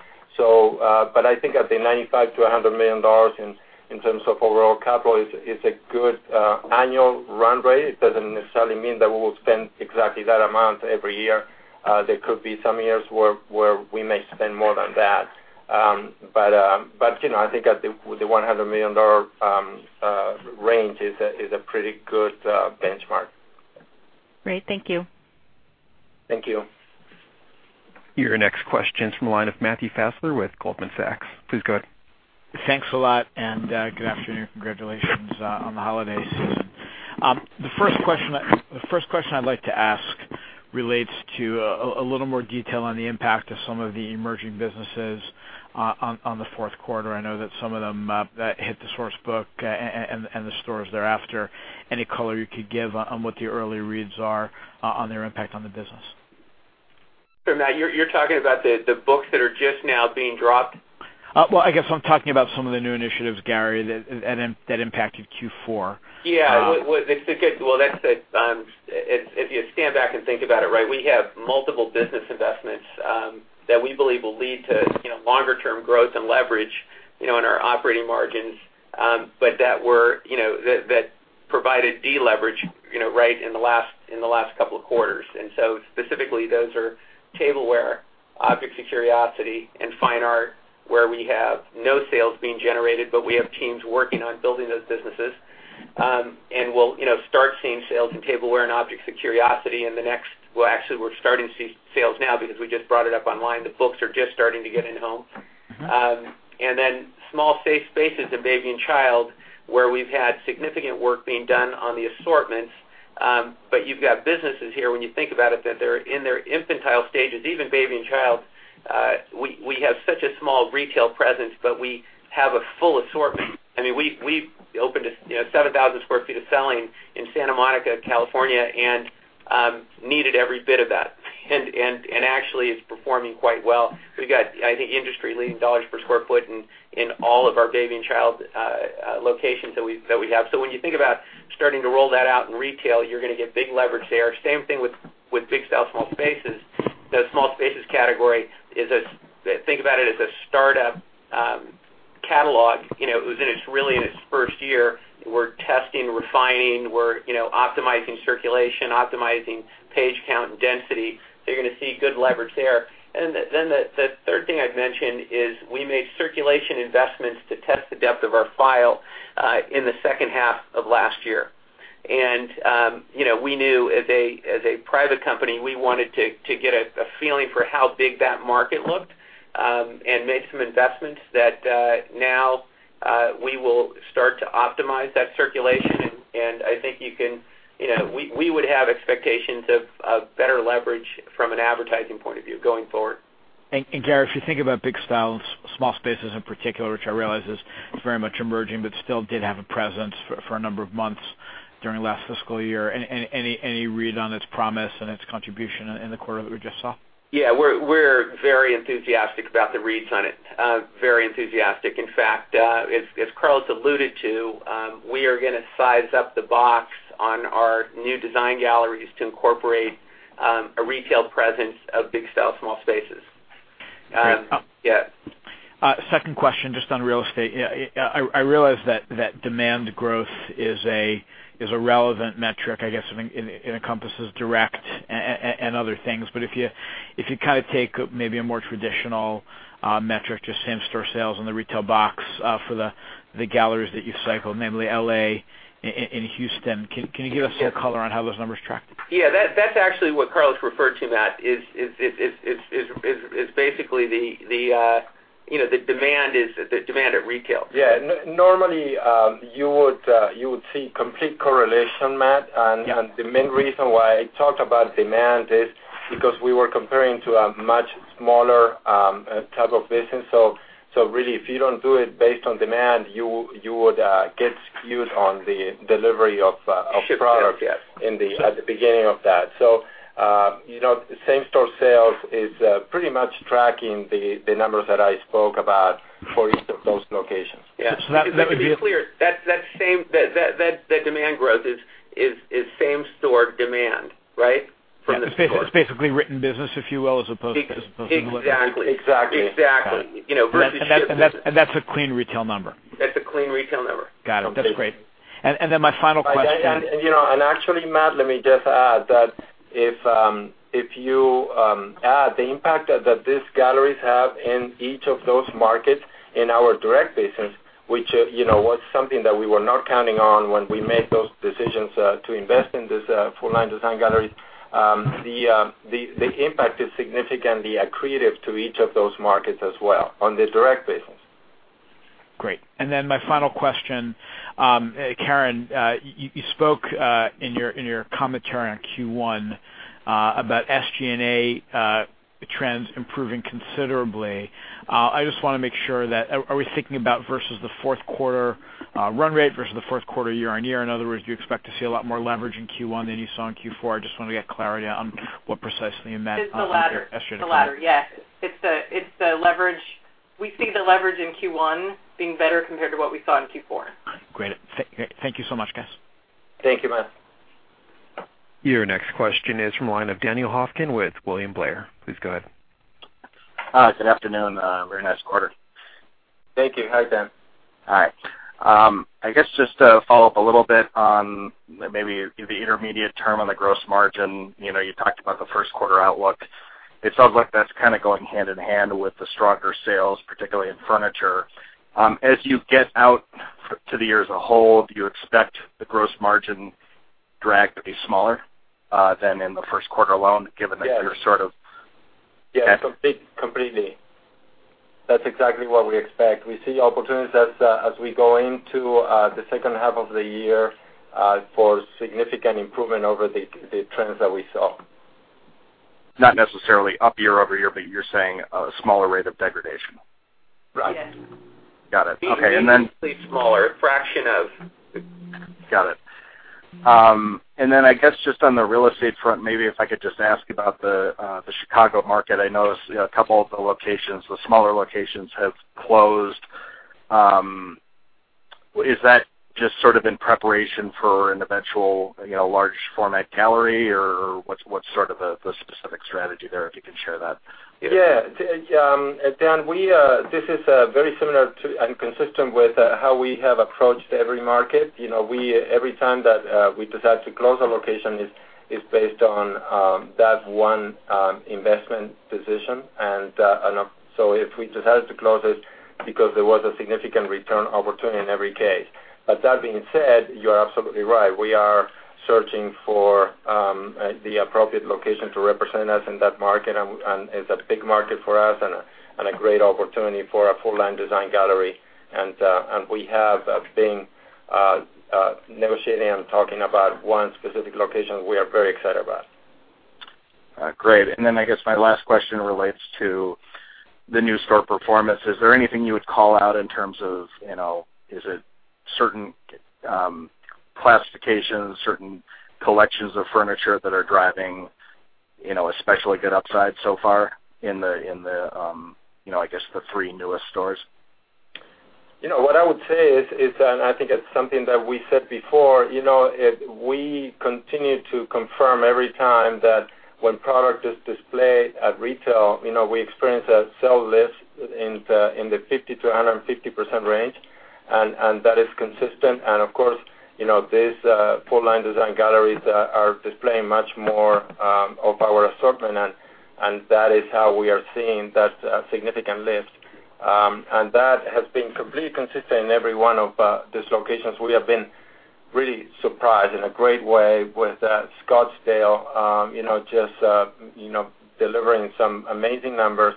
[SPEAKER 3] I think at the $95 million-$100 million in terms of overall capital is a good annual run rate. It doesn't necessarily mean that we will spend exactly that amount every year. There could be some years where we may spend more than that. I think the $100 million range is a pretty good benchmark.
[SPEAKER 6] Great. Thank you.
[SPEAKER 3] Thank you.
[SPEAKER 1] Your next question is from the line of Matthew Fassler with Goldman Sachs. Please go ahead.
[SPEAKER 7] Thanks a lot. Good afternoon. Congratulations on the holiday season. The first question I'd like to ask relates to a little more detail on the impact of some of the emerging businesses on the fourth quarter. I know that some of them that hit the source book and the stores thereafter. Any color you could give on what the early reads are on their impact on the business?
[SPEAKER 4] Matt, you're talking about the books that are just now being dropped.
[SPEAKER 7] Well, I guess I'm talking about some of the new initiatives, Gary, that impacted Q4.
[SPEAKER 4] Yeah. If you stand back and think about it, right, we have multiple business investments that we believe will lead to longer-term growth and leverage in our operating margins but that provided deleverage right in the last couple of quarters. Specifically, those are tableware, objects of curiosity, and fine art, where we have no sales being generated, but we have teams working on building those businesses. We'll start seeing sales in tableware and objects of curiosity in the next Well, actually, we're starting to see sales now because we just brought it up online. The books are just starting to get in-home. Small safe spaces in baby and child, where we've had significant work being done on the assortments. You've got businesses here, when you think about it, that they're in their infantile stages, even baby and child. We have such a small retail presence, but we have a full assortment. We opened a 7,000 sq ft of selling in Santa Monica, California, and needed every bit of that. It's performing quite well. We've got, I think, industry-leading $ per sq ft in all of our baby and child locations that we have. When you think about starting to roll that out in retail, you're going to get big leverage there. Same thing with Big Style, Small Spaces. The small spaces category, think about it as a startup catalog. It was really in its first year. We're testing, refining. We're optimizing circulation, optimizing page count and density. You're going to see good leverage there. The third thing I'd mention is we made circulation investments to test the depth of our file in the second half of last year. We knew as a private company, we wanted to get a feeling for how big that market looked and made some investments that now we will start to optimize that circulation. I think we would have expectations of better leverage from an advertising point of view going forward.
[SPEAKER 7] Gary, if you think about Big Style, Small Spaces in particular, which I realize is very much emerging, but still did have a presence for a number of months during last fiscal year. Any read on its promise and its contribution in the quarter that we just saw?
[SPEAKER 4] We're very enthusiastic about the reads on it. Very enthusiastic. In fact, as Carlos alluded to, we are going to size up the box on our new design galleries to incorporate a retail presence of Big Style, Small Spaces.
[SPEAKER 7] Great.
[SPEAKER 4] Yeah.
[SPEAKER 7] Second question, just on real estate. I realize that demand growth is a relevant metric. I guess it encompasses direct and other things. If you take maybe a more traditional metric, just same-store sales in the retail box for the galleries that you've cycled, namely L.A. and Houston, can you give us some color on how those numbers tracked?
[SPEAKER 4] That's actually what Carlos referred to, Matt, is basically the demand at retail.
[SPEAKER 3] Yeah. Normally, you would see complete correlation, Matt.
[SPEAKER 4] Yeah.
[SPEAKER 3] The main reason why I talked about demand is because we were comparing to a much smaller type of business. Really, if you don't do it based on demand, you would get skewed on the delivery of product-
[SPEAKER 4] Shipments. Yes
[SPEAKER 3] at the beginning of that. Same-store sales is pretty much tracking the numbers that I spoke about for each of those locations.
[SPEAKER 4] Yeah. Let me be clear, that demand growth is same-store demand, right? From the store.
[SPEAKER 7] It's basically written business, if you will, as opposed to delivered.
[SPEAKER 4] Exactly.
[SPEAKER 3] Exactly.
[SPEAKER 4] Exactly. Versus shipped business.
[SPEAKER 7] That's a clean retail number.
[SPEAKER 4] That's a clean retail number.
[SPEAKER 7] Got it. That's great. Then my final question.
[SPEAKER 3] Actually, Matt, let me just add that if you add the impact that these galleries have in each of those markets in our direct business, which was something that we were not counting on when we made those decisions to invest in these full-line design galleries. The impact is significantly accretive to each of those markets as well on the direct business.
[SPEAKER 7] Great. Then my final question. Karen, you spoke in your commentary on Q1 about SG&A trends improving considerably. I just want to make sure that, are we thinking about versus the fourth quarter run rate versus the fourth quarter year-on-year? In other words, do you expect to see a lot more leverage in Q1 than you saw in Q4? I just want to get clarity on what precisely you meant on your SG&A comment.
[SPEAKER 5] It's the latter. Yes. We see the leverage in Q1 being better compared to what we saw in Q4.
[SPEAKER 7] Great. Thank you so much, guys.
[SPEAKER 4] Thank you, Matt.
[SPEAKER 1] Your next question is from the line of Daniel Hofkin with William Blair. Please go ahead.
[SPEAKER 8] Hi, good afternoon. Very nice quarter.
[SPEAKER 4] Thank you. Hi, Dan.
[SPEAKER 8] Hi. I guess just to follow up a little bit on maybe the intermediate term on the gross margin. You talked about the first quarter outlook. It sounds like that's going hand in hand with the stronger sales, particularly in furniture. As you get out to the year as a whole, do you expect the gross margin drag to be smaller than in the first quarter alone, given that you're sort of-
[SPEAKER 3] Yes, completely. That's exactly what we expect. We see opportunities as we go into the second half of the year for significant improvement over the trends that we saw.
[SPEAKER 8] Not necessarily up year-over-year, but you're saying a smaller rate of degradation. Right.
[SPEAKER 4] Yes.
[SPEAKER 8] Got it. Okay.
[SPEAKER 4] Significantly smaller. Fraction of.
[SPEAKER 8] Got it. I guess just on the real estate front, maybe if I could just ask about the Chicago market. I noticed a couple of the locations, the smaller locations have closed. Is that just sort of in preparation for an eventual large format gallery or what's sort of the specific strategy there, if you can share that?
[SPEAKER 3] Yeah. Dan, this is very similar to and consistent with how we have approached every market. Every time that we decide to close a location, it's based on that one investment decision. If we decided to close it because there was a significant return opportunity in every case. That being said, you are absolutely right. We are searching for the appropriate location to represent us in that market, it's a big market for us and a great opportunity for our full-line design gallery. We have been negotiating and talking about one specific location we are very excited about.
[SPEAKER 8] Great. I guess my last question relates to the new store performance. Is there anything you would call out in terms of, is it certain classifications, certain collections of furniture that are driving especially good upside so far in the three newest stores?
[SPEAKER 3] What I would say is, I think it's something that we said before, we continue to confirm every time that when product is displayed at retail, we experience a sale lift in the 50%-150% range. That is consistent, of course, these full-line design galleries are displaying much more of our assortment, that is how we are seeing that significant lift. That has been completely consistent in every one of these locations. We have been really surprised in a great way with Scottsdale just delivering some amazing numbers.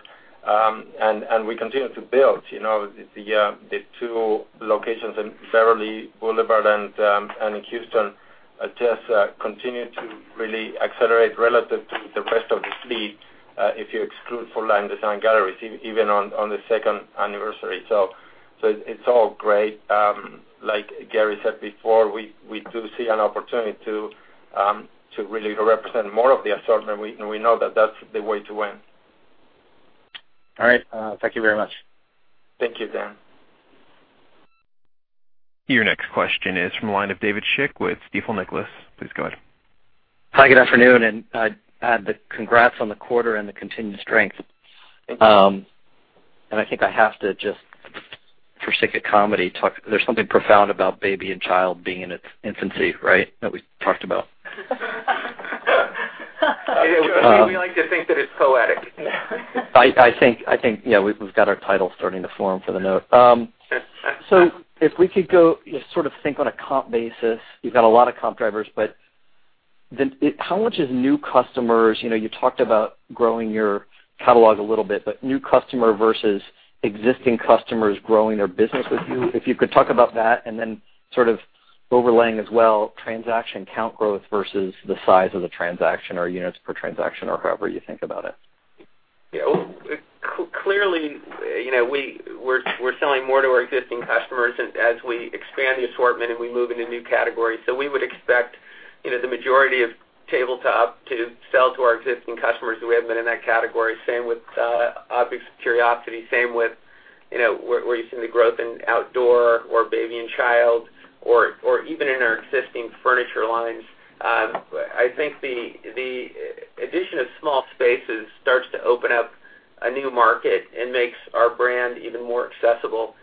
[SPEAKER 3] We continue to build. The two locations in Beverly Boulevard and in Houston just continue to really accelerate relative to the rest of the fleet, if you exclude full-line design galleries, even on the second anniversary. It's all great. Like Gary said before, we do see an opportunity to really represent more of the assortment, we know that that's the way to win.
[SPEAKER 8] All right. Thank you very much.
[SPEAKER 3] Thank you, Dan.
[SPEAKER 1] Your next question is from the line of David Schick with Stifel Nicolaus. Please go ahead.
[SPEAKER 9] Hi, good afternoon, and congrats on the quarter and the continued strength.
[SPEAKER 3] Thank you.
[SPEAKER 9] I think I have to just, for sake of comedy, there's something profound about baby and child being in its infancy, right? That we talked about.
[SPEAKER 4] We like to think that it's poetic.
[SPEAKER 9] I think, we've got our title starting to form for the note. If we could go just sort of think on a comp basis, you've got a lot of comp drivers, but how much is new customers? You talked about growing your catalog a little bit, but new customer versus existing customers growing their business with you. If you could talk about that and then sort of overlaying as well transaction count growth versus the size of the transaction or units per transaction or however you think about it.
[SPEAKER 4] Yeah. Clearly, we're selling more to our existing customers as we expand the assortment and we move into new categories. We would expect the majority of RH Tableware to sell to our existing customers who we have been in that category. Same with Objects of Curiosity, same with where you've seen the growth in outdoor or RH Baby & Child, or even in our existing furniture lines. I think the addition of small spaces starts to open up a new market and makes our brand even more accessible.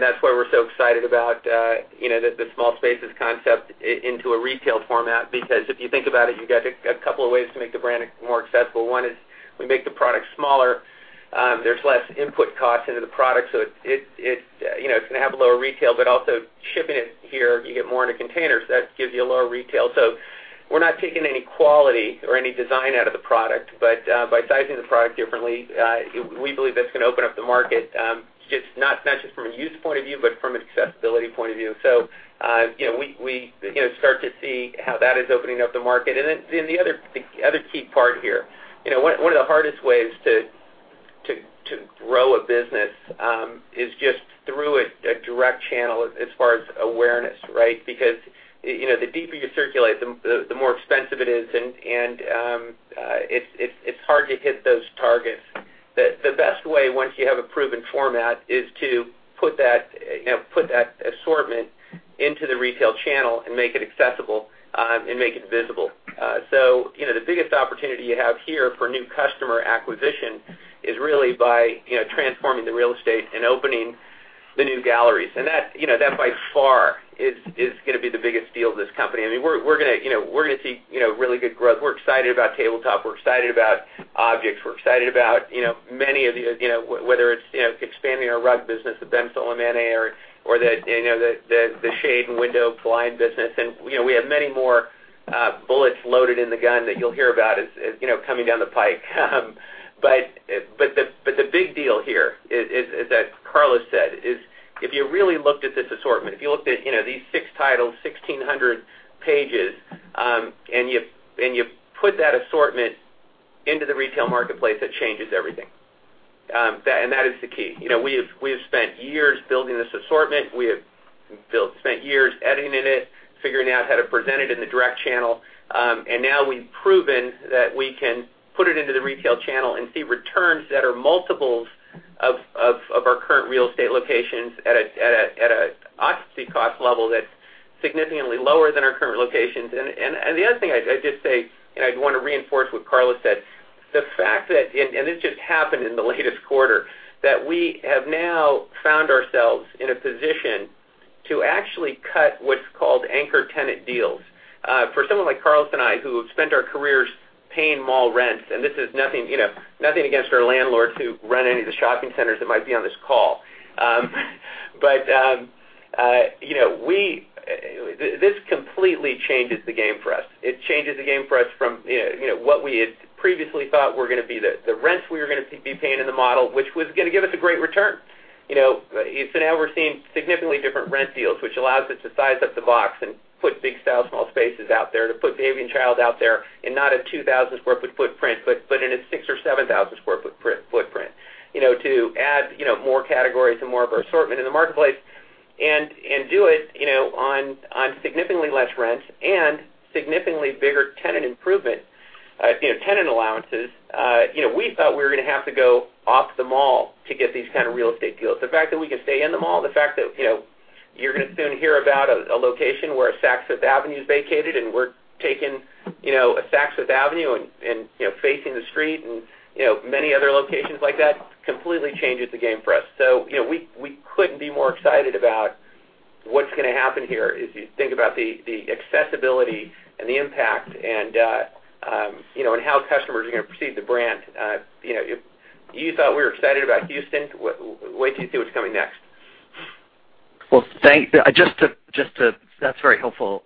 [SPEAKER 4] That's why we're so excited about the small spaces concept into a retail format. Because if you think about it, you got a couple of ways to make the brand more accessible. One is we make the product smaller, there's less input cost into the product, so it's going to have a lower retail, but also shipping it here, you get more into containers, that gives you a lower retail. We're not taking any quality or any design out of the product, but by sizing the product differently, we believe that's going to open up the market, not just from a use point of view, but from an accessibility point of view. We start to see how that is opening up the market. The other key part here, one of the hardest ways to grow a business, is just through a direct channel as far as awareness, right? Because, the deeper you circulate, the more expensive it is, and it's hard to hit those targets. The best way, once you have a proven format, is to put that assortment into the retail channel and make it accessible and make it visible. The biggest opportunity you have here for new customer acquisition is really by transforming the real estate and opening the new galleries. That by far is going to be the biggest deal of this company. I mean, we're going to see really good growth. We're excited about RH Tableware. We're excited about RH Objects of Curiosity. We're excited about many of the, whether it's expanding our rug business with Ben Soleimani or the shade and window blind business. We have many more bullets loaded in the gun that you'll hear about as coming down the pipe. The big deal here is, as Carlos said, is if you really looked at this assortment, if you looked at these six titles, 1,600 pages, and you put that assortment into the retail marketplace, it changes everything. That is the key. We have spent years building this assortment. We have spent years editing it, figuring out how to present it in the direct channel. Now we've proven that we can put it into the retail channel and see returns that are multiples of our current real estate locations at an occupancy cost level that's significantly lower than our current locations. The other thing I'd just say, I'd want to reinforce what Carlos said, the fact that, this just happened in the latest quarter, that we have now found ourselves in a position to actually cut what's called anchor tenant deals. For someone like Carlos and I, who have spent our careers paying mall rents. This is nothing against our landlords who run any of the shopping centers that might be on this call. This completely changes the game for us. It changes the game for us from what we had previously thought were going to be the rents we were going to be paying in the model, which was going to give us a great return. Now we're seeing significantly different rent deals, which allows us to size up the box and put Big Style, Small Spaces out there to put Baby & Child out there in not a 2,000 sq ft footprint, but in a 6,000 or 7,000 sq ft footprint. To add more categories and more of our assortment in the marketplace and do it on significantly less rent and significantly bigger tenant improvement, tenant allowances. We thought we were going to have to go off the mall to get these kind of real estate deals. The fact that we can stay in the mall, the fact that you're going to soon hear about a location where a Saks Fifth Avenue's vacated and we're taking a Saks Fifth Avenue and facing the street and many other locations like that completely changes the game for us. We couldn't be more excited about what's going to happen here as you think about the accessibility and the impact and how customers are going to perceive the brand. You thought we were excited about Houston? Wait till you see what's coming next.
[SPEAKER 9] Well, thanks. That's very helpful.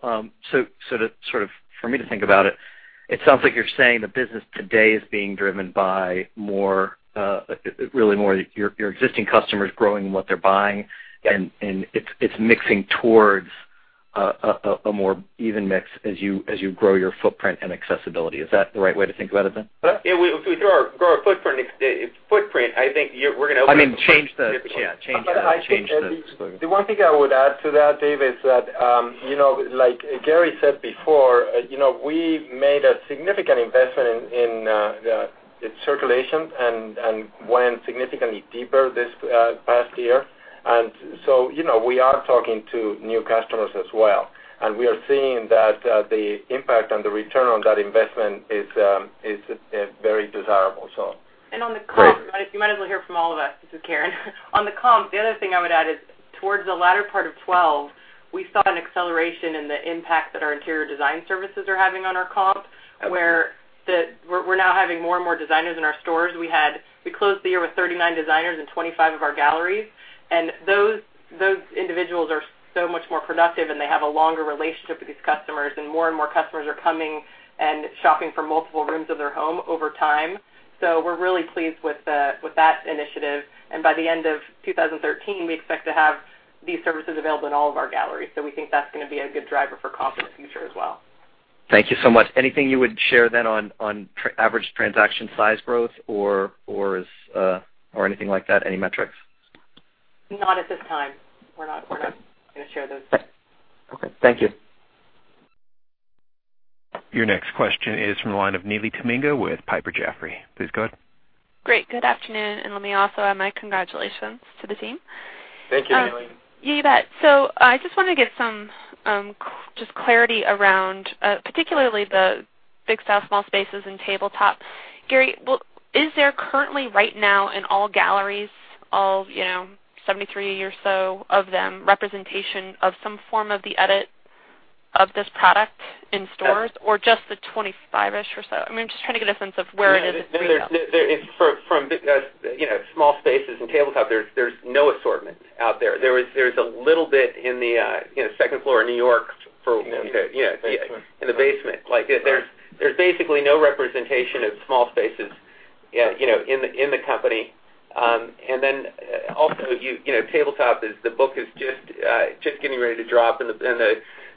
[SPEAKER 9] Sort of for me to think about it sounds like you're saying the business today is being driven by more, really your existing customers growing in what they're buying and it's mixing towards a more even mix as you grow your footprint and accessibility. Is that the right way to think about it then?
[SPEAKER 4] Yeah. If we grow our footprint, I think we're going to.
[SPEAKER 9] I mean, change the-
[SPEAKER 4] Sure.
[SPEAKER 9] Yeah. Change the-
[SPEAKER 3] The one thing I would add to that, Dave, is that like Gary said before, we made a significant investment in the circulation and went significantly deeper this past year. We are talking to new customers as well, and we are seeing that the impact on the return on that investment is very desirable.
[SPEAKER 5] On the comps, you might as well hear from all of us. This is Karen. On the comps, the other thing I would add is towards the latter part of 2012, we saw an acceleration in the impact that our interior design services are having on our comps, where we're now having more and more designers in our stores. We closed the year with 39 designers in 25 of our galleries. Those individuals are so much more productive. They have a longer relationship with these customers. More and more customers are coming and shopping for multiple rooms of their home over time. We're really pleased with that initiative, and by the end of 2013, we expect to have these services available in all of our galleries. We think that's going to be a good driver for comp in the future as well.
[SPEAKER 9] Thank you so much. Anything you would share then on average transaction size growth or anything like that? Any metrics?
[SPEAKER 5] Not at this time. We're not going to share those.
[SPEAKER 9] Okay. Thank you.
[SPEAKER 1] Your next question is from the line of Neely Tamminga with Piper Jaffray. Please go ahead.
[SPEAKER 10] Great. Good afternoon. Let me also add my congratulations to the team.
[SPEAKER 4] Thank you, Neely.
[SPEAKER 10] You bet. I just wanted to get some just clarity around particularly the Big Style, Small Spaces and tabletop. Gary, is there currently right now in all galleries, all 73 or so of them, representation of some form of the edit of this product in stores or just the 25-ish or so? I'm just trying to get a sense of where it is.
[SPEAKER 4] No, from small spaces and tabletop, there's no assortment out there. There's a little bit in the second floor in New York.
[SPEAKER 3] In the basement
[SPEAKER 4] In the basement. There's basically no representation of small spaces in the company. Also, tabletop, the book is just getting ready to drop, and the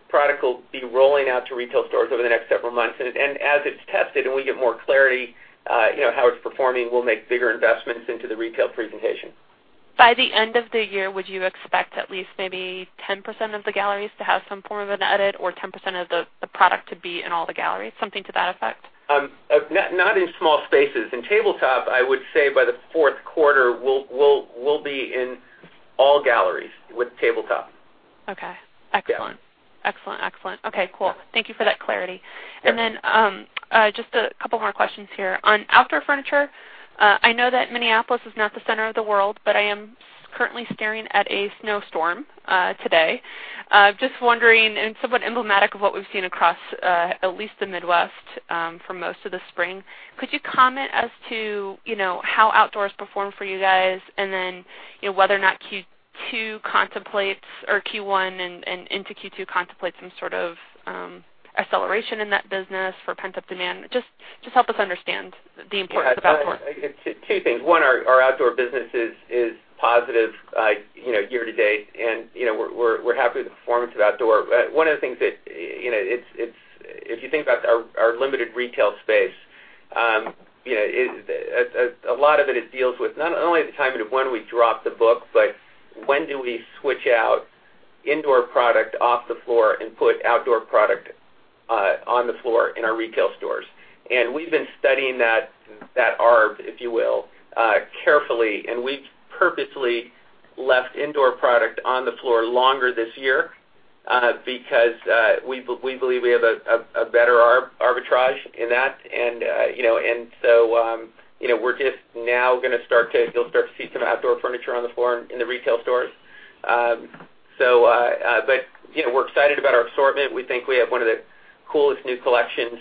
[SPEAKER 4] product will be rolling out to retail stores over the next several months. As it's tested and we get more clarity how it's performing, we'll make bigger investments into the retail presentation.
[SPEAKER 10] By the end of the year, would you expect at least maybe 10% of the galleries to have some form of an edit or 10% of the product to be in all the galleries? Something to that effect?
[SPEAKER 4] Not in small spaces. In tabletop, I would say by the fourth quarter, we'll be in all galleries with tabletop.
[SPEAKER 10] Okay. Excellent.
[SPEAKER 4] Yeah.
[SPEAKER 10] Excellent. Okay, cool. Thank you for that clarity.
[SPEAKER 4] Yeah.
[SPEAKER 10] Just a couple more questions here. On outdoor furniture, I know that Minneapolis is not the center of the world, but I am currently staring at a snowstorm today. Just wondering, and somewhat emblematic of what we've seen across at least the Midwest for most of the spring, could you comment as to how outdoors performed for you guys and then whether or not Q2 contemplates or Q1 and into Q2 contemplates some sort of acceleration in that business for pent-up demand? Just help us understand the importance of outdoor.
[SPEAKER 4] Yeah. Two things. One, our outdoor business is positive year-to-date, we're happy with the performance of outdoor. One of the things that, if you think about our limited retail space, a lot of it deals with not only the timing of when we drop the book, but when do we switch out indoor product off the floor and put outdoor product on the floor in our retail stores. We've been studying that arb, if you will, carefully, we've purposely left indoor product on the floor longer this year because we believe we have a better arbitrage in that. You'll start to see some outdoor furniture on the floor in the retail stores. We're excited about our assortment. We think we have one of the coolest new collections.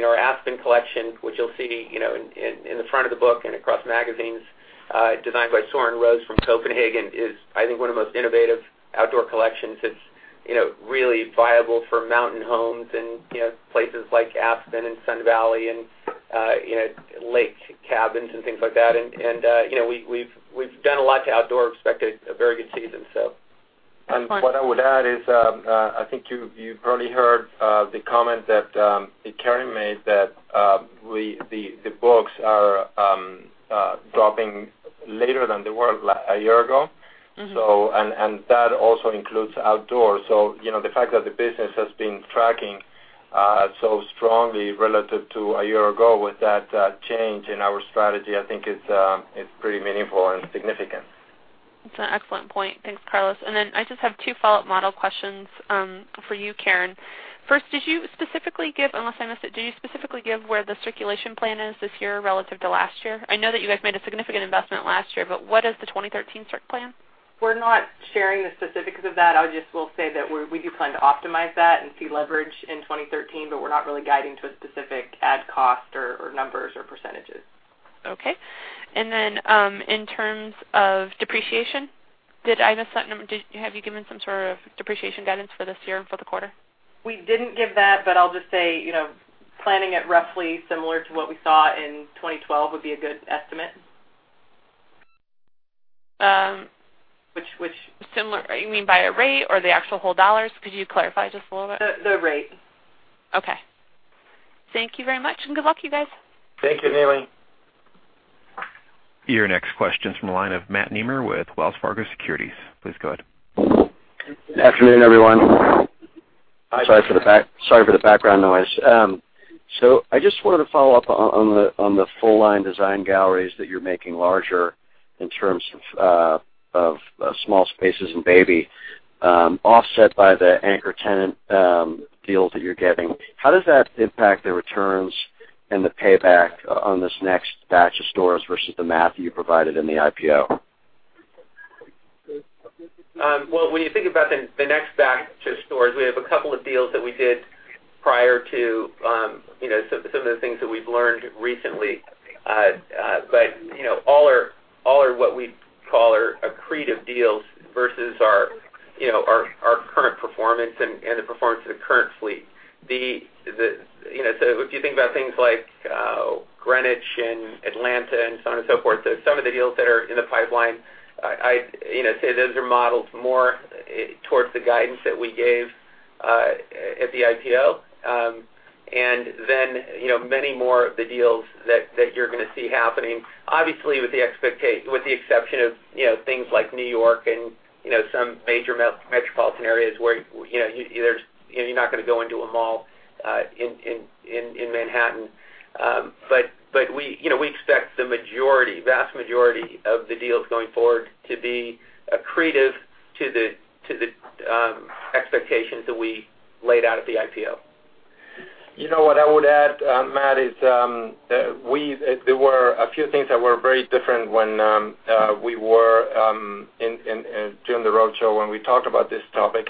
[SPEAKER 4] Our Aspen Collection, which you'll see in the front of the book and across magazines, designed by Søren Rose from Copenhagen, is, I think, one of the most innovative outdoor collections. It's really viable for mountain homes and places like Aspen and Sun Valley and lake cabins and things like that. We've done a lot to outdoor. Expect a very good season.
[SPEAKER 10] Excellent.
[SPEAKER 3] What I would add is, I think you probably heard the comment that Karen made that the books are dropping later than they were a year ago. That also includes outdoor. The fact that the business has been tracking so strongly relative to a year ago with that change in our strategy, I think is pretty meaningful and significant.
[SPEAKER 10] That's an excellent point. Thanks, Carlos. Then I just have two follow-up model questions for you, Karen. First, did you specifically give, unless I missed it, do you specifically give where the circulation plan is this year relative to last year? I know that you guys made a significant investment last year, but what is the 2013 circ plan?
[SPEAKER 5] We're not sharing the specifics of that. I just will say that we do plan to optimize that and see leverage in 2013, but we're not really guiding to a specific ad cost or numbers or percentages.
[SPEAKER 10] Okay. In terms of depreciation, did I miss something? Have you given some sort of depreciation guidance for this year and for the quarter?
[SPEAKER 5] We didn't give that, but I'll just say, planning it roughly similar to what we saw in 2012 would be a good estimate.
[SPEAKER 10] Similar. You mean by a rate or the actual whole dollars? Could you clarify just a little bit?
[SPEAKER 5] The rate.
[SPEAKER 10] Okay. Thank you very much, and good luck, you guys.
[SPEAKER 4] Thank you, Neely.
[SPEAKER 1] Your next question's from the line of Matt Nemer with Wells Fargo Securities. Please go ahead.
[SPEAKER 11] Afternoon, everyone. Sorry for the background noise. I just wanted to follow up on the full-line design galleries that you're making larger in terms of Small Spaces and Baby, offset by the anchor tenant deals that you're getting. How does that impact the returns and the payback on this next batch of stores versus the math that you provided in the IPO?
[SPEAKER 4] Well, when you think about the next batch of stores, we have a couple of deals that we did prior to some of the things that we've learned recently. All are what we call accretive deals versus our current performance and the performance of the current fleet. If you think about things like Greenwich and Atlanta and so on and so forth, some of the deals that are in the pipeline, I'd say those are modeled more towards the guidance that we gave at the IPO. Many more of the deals that you're going to see happening, obviously with the exception of things like New York and some major metropolitan areas where you're not going to go into a mall in Manhattan. We expect the vast majority of the deals going forward to be accretive to the expectations that we laid out at the IPO.
[SPEAKER 3] What I would add, Matt, is there were a few things that were very different when we were during the roadshow when we talked about this topic.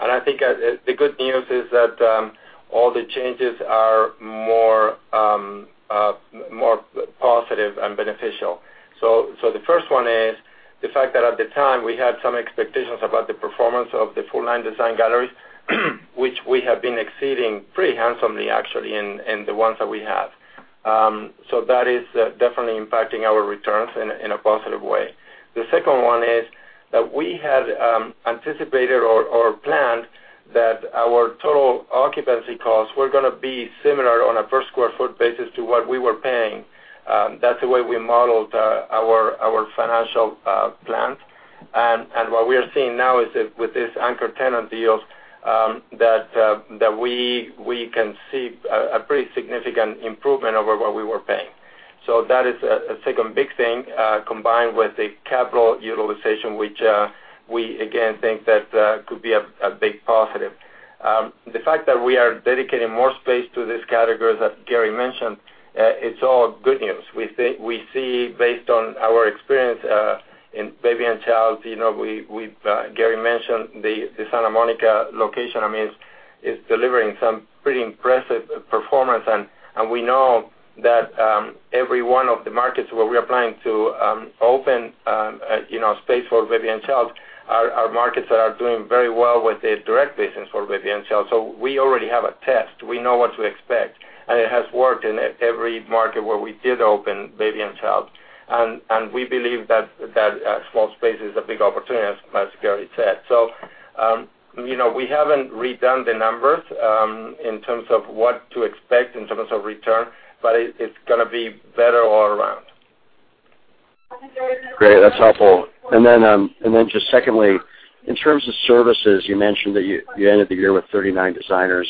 [SPEAKER 3] I think the good news is that all the changes are more positive and beneficial. The first one is the fact that at the time, we had some expectations about the performance of the full-line design galleries, which we have been exceeding pretty handsomely actually in the ones that we have. That is definitely impacting our returns in a positive way. The second one is that we had anticipated or planned that our total occupancy costs were going to be similar on a per sq ft basis to what we were paying. That's the way we modeled our financial plans. What we are seeing now is that with these anchor tenant deals, that we can see a pretty significant improvement over what we were paying. That is a second big thing, combined with the capital utilization, which we again think that could be a big positive. The fact that we are dedicating more space to these categories that Gary mentioned, it's all good news. We see based on our experience in Baby & Child, Gary mentioned the Santa Monica location. I mean, it is delivering some pretty impressive performance. We know that every one of the markets where we are planning to open space for Baby & Child are markets that are doing very well with the direct business for Baby & Child. We already have a test. We know what to expect, and it has worked in every market where we did open Baby & Child. We believe that small space is a big opportunity, as Gary said. We haven't redone the numbers in terms of what to expect in terms of return, but it's going to be better all around.
[SPEAKER 11] Great. That's helpful. Then just secondly, in terms of services, you mentioned that you ended the year with 39 designers.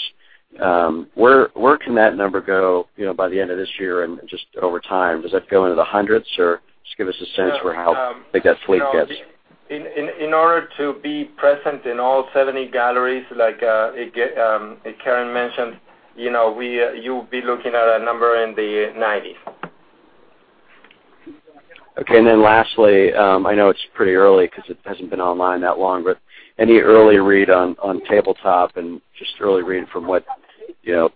[SPEAKER 11] Where can that number go by the end of this year and just over time? Does that go into the hundreds or just give us a sense for how big that suite gets?
[SPEAKER 3] In order to be present in all 70 galleries, like Karen mentioned, you'll be looking at a number in the 90s.
[SPEAKER 11] Okay. Lastly, I know it's pretty early because it hasn't been online that long, but any early read on tabletop and just early read from what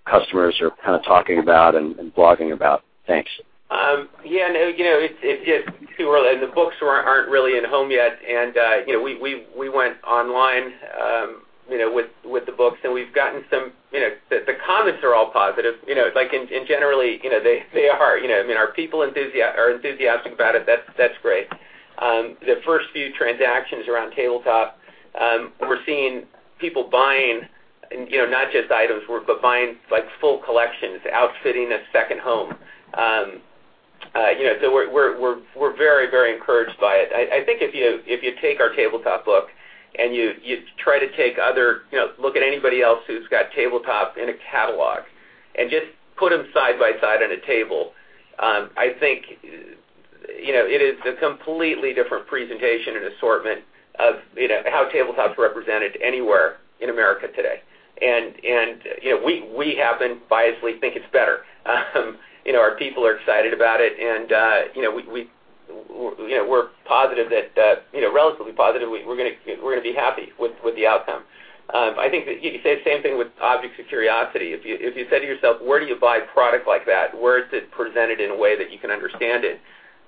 [SPEAKER 11] customers are talking about and blogging about? Thanks.
[SPEAKER 4] Yeah. No, it's too early, the books aren't really at home yet. We went online with the books, the comments are all positive. Generally, they are. Our people are enthusiastic about it. That's great. The first few transactions around tabletop, we're seeing people buying not just items, but buying full collections, outfitting a second home. We're very encouraged by it. I think if you take our tabletop book and you try to look at anybody else who's got tabletop in a catalog and just put them side by side on a table, I think it is a completely different presentation and assortment of how tabletop is represented anywhere in America today. We happen, biasedly, think it's better. Our people are excited about it, and we're relatively positive we're going to be happy with the outcome. I think that you could say the same thing with Objects of Curiosity. If you say to yourself, where do you buy product like that? Where is it presented in a way that you can understand it?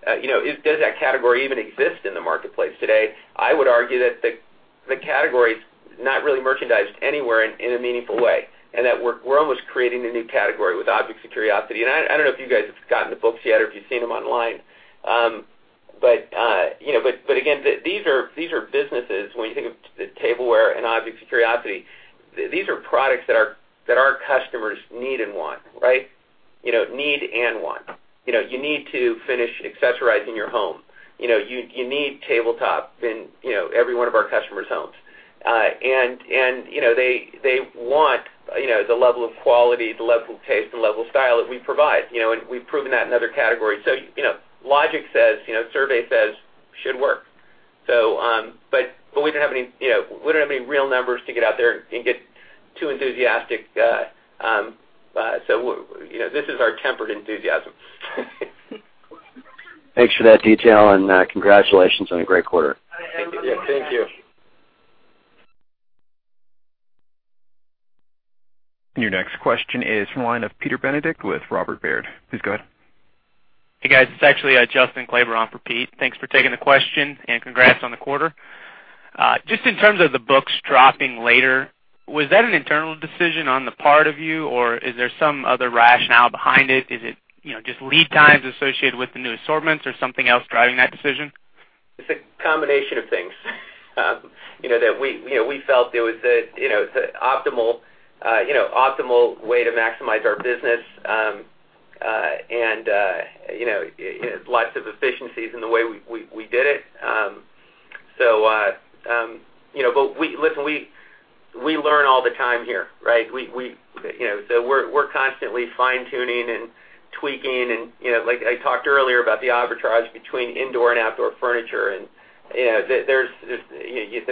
[SPEAKER 4] Does that category even exist in the marketplace today? I would argue that the category is not really merchandised anywhere in a meaningful way, we're almost creating a new category with Objects of Curiosity. I don't know if you guys have gotten the books yet or if you've seen them online. Again, these are businesses, when you think of tableware and Objects of Curiosity, these are products that our customers need and want. Need and want. You need to finish accessorizing your home. You need tabletop in every one of our customer's homes. They want the level of quality, the level of taste, and level of style that we provide. We've proven that in other categories. Logic says, survey says, should work. We don't have any real numbers to get out there and get too enthusiastic. This is our tempered enthusiasm.
[SPEAKER 11] Thanks for that detail, and congratulations on a great quarter.
[SPEAKER 4] Thank you.
[SPEAKER 3] Yeah. Thank you.
[SPEAKER 1] Your next question is from the line of Peter Benedict with Robert Baird. Please go ahead.
[SPEAKER 12] Hey, guys. It's actually Justin Kleber for Pete. Thanks for taking the question, and congrats on the quarter. Just in terms of the books dropping later, was that an internal decision on the part of you, or is there some other rationale behind it? Is it just lead times associated with the new assortments or something else driving that decision?
[SPEAKER 4] It's a combination of things. That we felt it was the optimal way to maximize our business, and lots of efficiencies in the way we did it. Listen, we learn all the time here. We're constantly fine-tuning and tweaking and like I talked earlier about the arbitrage between indoor and outdoor furniture, there's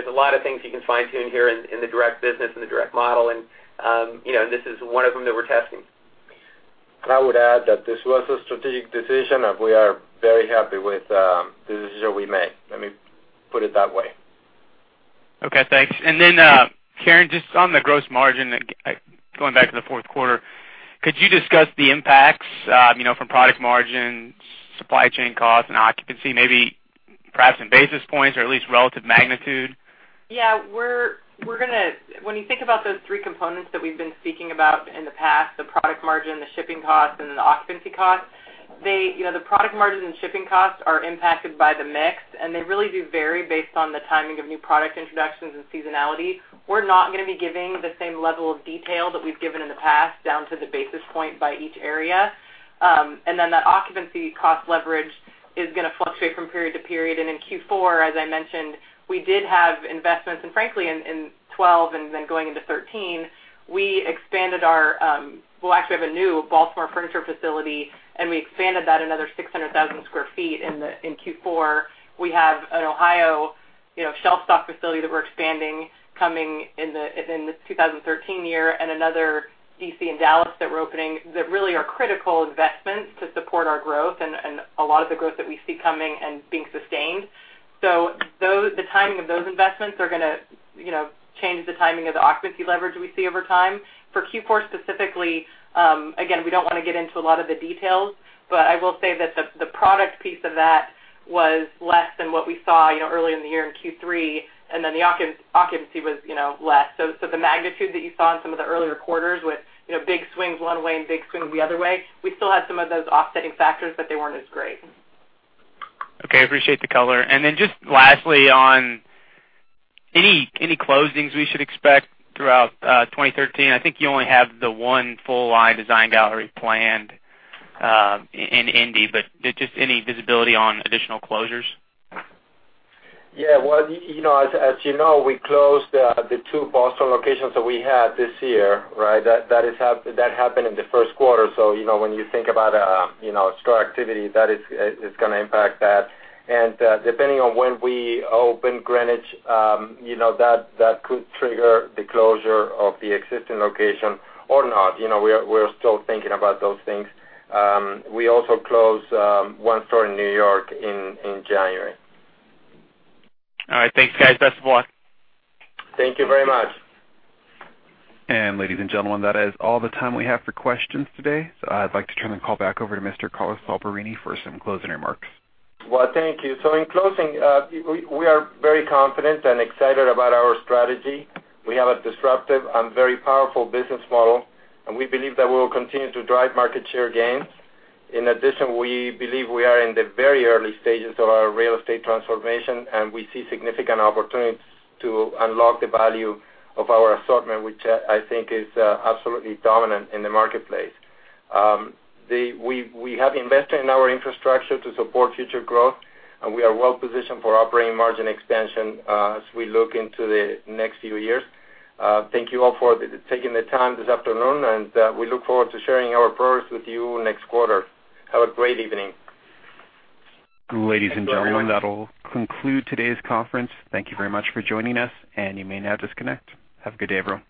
[SPEAKER 4] a lot of things you can fine-tune here in the direct business and the direct model, and this is one of them that we're testing.
[SPEAKER 3] I would add that this was a strategic decision, and we are very happy with the decision we made. Let me put it that way.
[SPEAKER 12] Okay, thanks. Then, Karen, just on the gross margin, going back to the fourth quarter, could you discuss the impacts from product margin, supply chain costs, and occupancy, maybe perhaps in basis points or at least relative magnitude?
[SPEAKER 5] Yeah. When you think about those three components that we've been speaking about in the past, the product margin, the shipping costs, and the occupancy costs, the product margin and shipping costs are impacted by the mix, and they really do vary based on the timing of new product introductions and seasonality. We're not going to be giving the same level of detail that we've given in the past down to the basis point by each area. That occupancy cost leverage is going to fluctuate from period to period. In Q4, as I mentioned, we did have investments. Frankly, in 2012 and then going into 2013, we actually have a new Baltimore furniture facility, and we expanded that another 600,000 sq ft in Q4. We have an Ohio shelf stock facility that we're expanding coming in the 2013 year and another DC in Dallas that we're opening that really are critical investments to support our growth and a lot of the growth that we see coming and being sustained. The timing of those investments are going to change the timing of the occupancy leverage we see over time. For Q4 specifically, again, we don't want to get into a lot of the details, but I will say that the product piece of that was less than what we saw earlier in the year in Q3, the occupancy was less. The magnitude that you saw in some of the earlier quarters with big swings one way and big swings the other way, we still had some of those offsetting factors, but they weren't as great.
[SPEAKER 12] Okay. Appreciate the color. Just lastly on any closings we should expect throughout 2013? I think you only have the one full line Design Gallery planned in Indy, but just any visibility on additional closures?
[SPEAKER 3] Yeah. Well, as you know, we closed the two Boston locations that we had this year, right? That happened in the first quarter. When you think about store activity, that is going to impact that. Depending on when we open Greenwich, that could trigger the closure of the existing location or not. We're still thinking about those things. We also closed one store in New York in January.
[SPEAKER 12] All right. Thanks, guys. Best of luck.
[SPEAKER 3] Thank you very much.
[SPEAKER 1] Ladies and gentlemen, that is all the time we have for questions today. I'd like to turn the call back over to Mr. Carlos Alberini for some closing remarks.
[SPEAKER 3] Well, thank you. In closing, we are very confident and excited about our strategy. We have a disruptive and very powerful business model. We believe that we will continue to drive market share gains. In addition, we believe we are in the very early stages of our real estate transformation. We see significant opportunities to unlock the value of our assortment, which I think is absolutely dominant in the marketplace. We have invested in our infrastructure to support future growth. We are well positioned for operating margin expansion as we look into the next few years. Thank you all for taking the time this afternoon. We look forward to sharing our progress with you next quarter. Have a great evening.
[SPEAKER 1] Ladies and gentlemen.
[SPEAKER 3] Thank you, everyone.
[SPEAKER 1] That will conclude today's conference. Thank you very much for joining us, and you may now disconnect. Have a good day, everyone.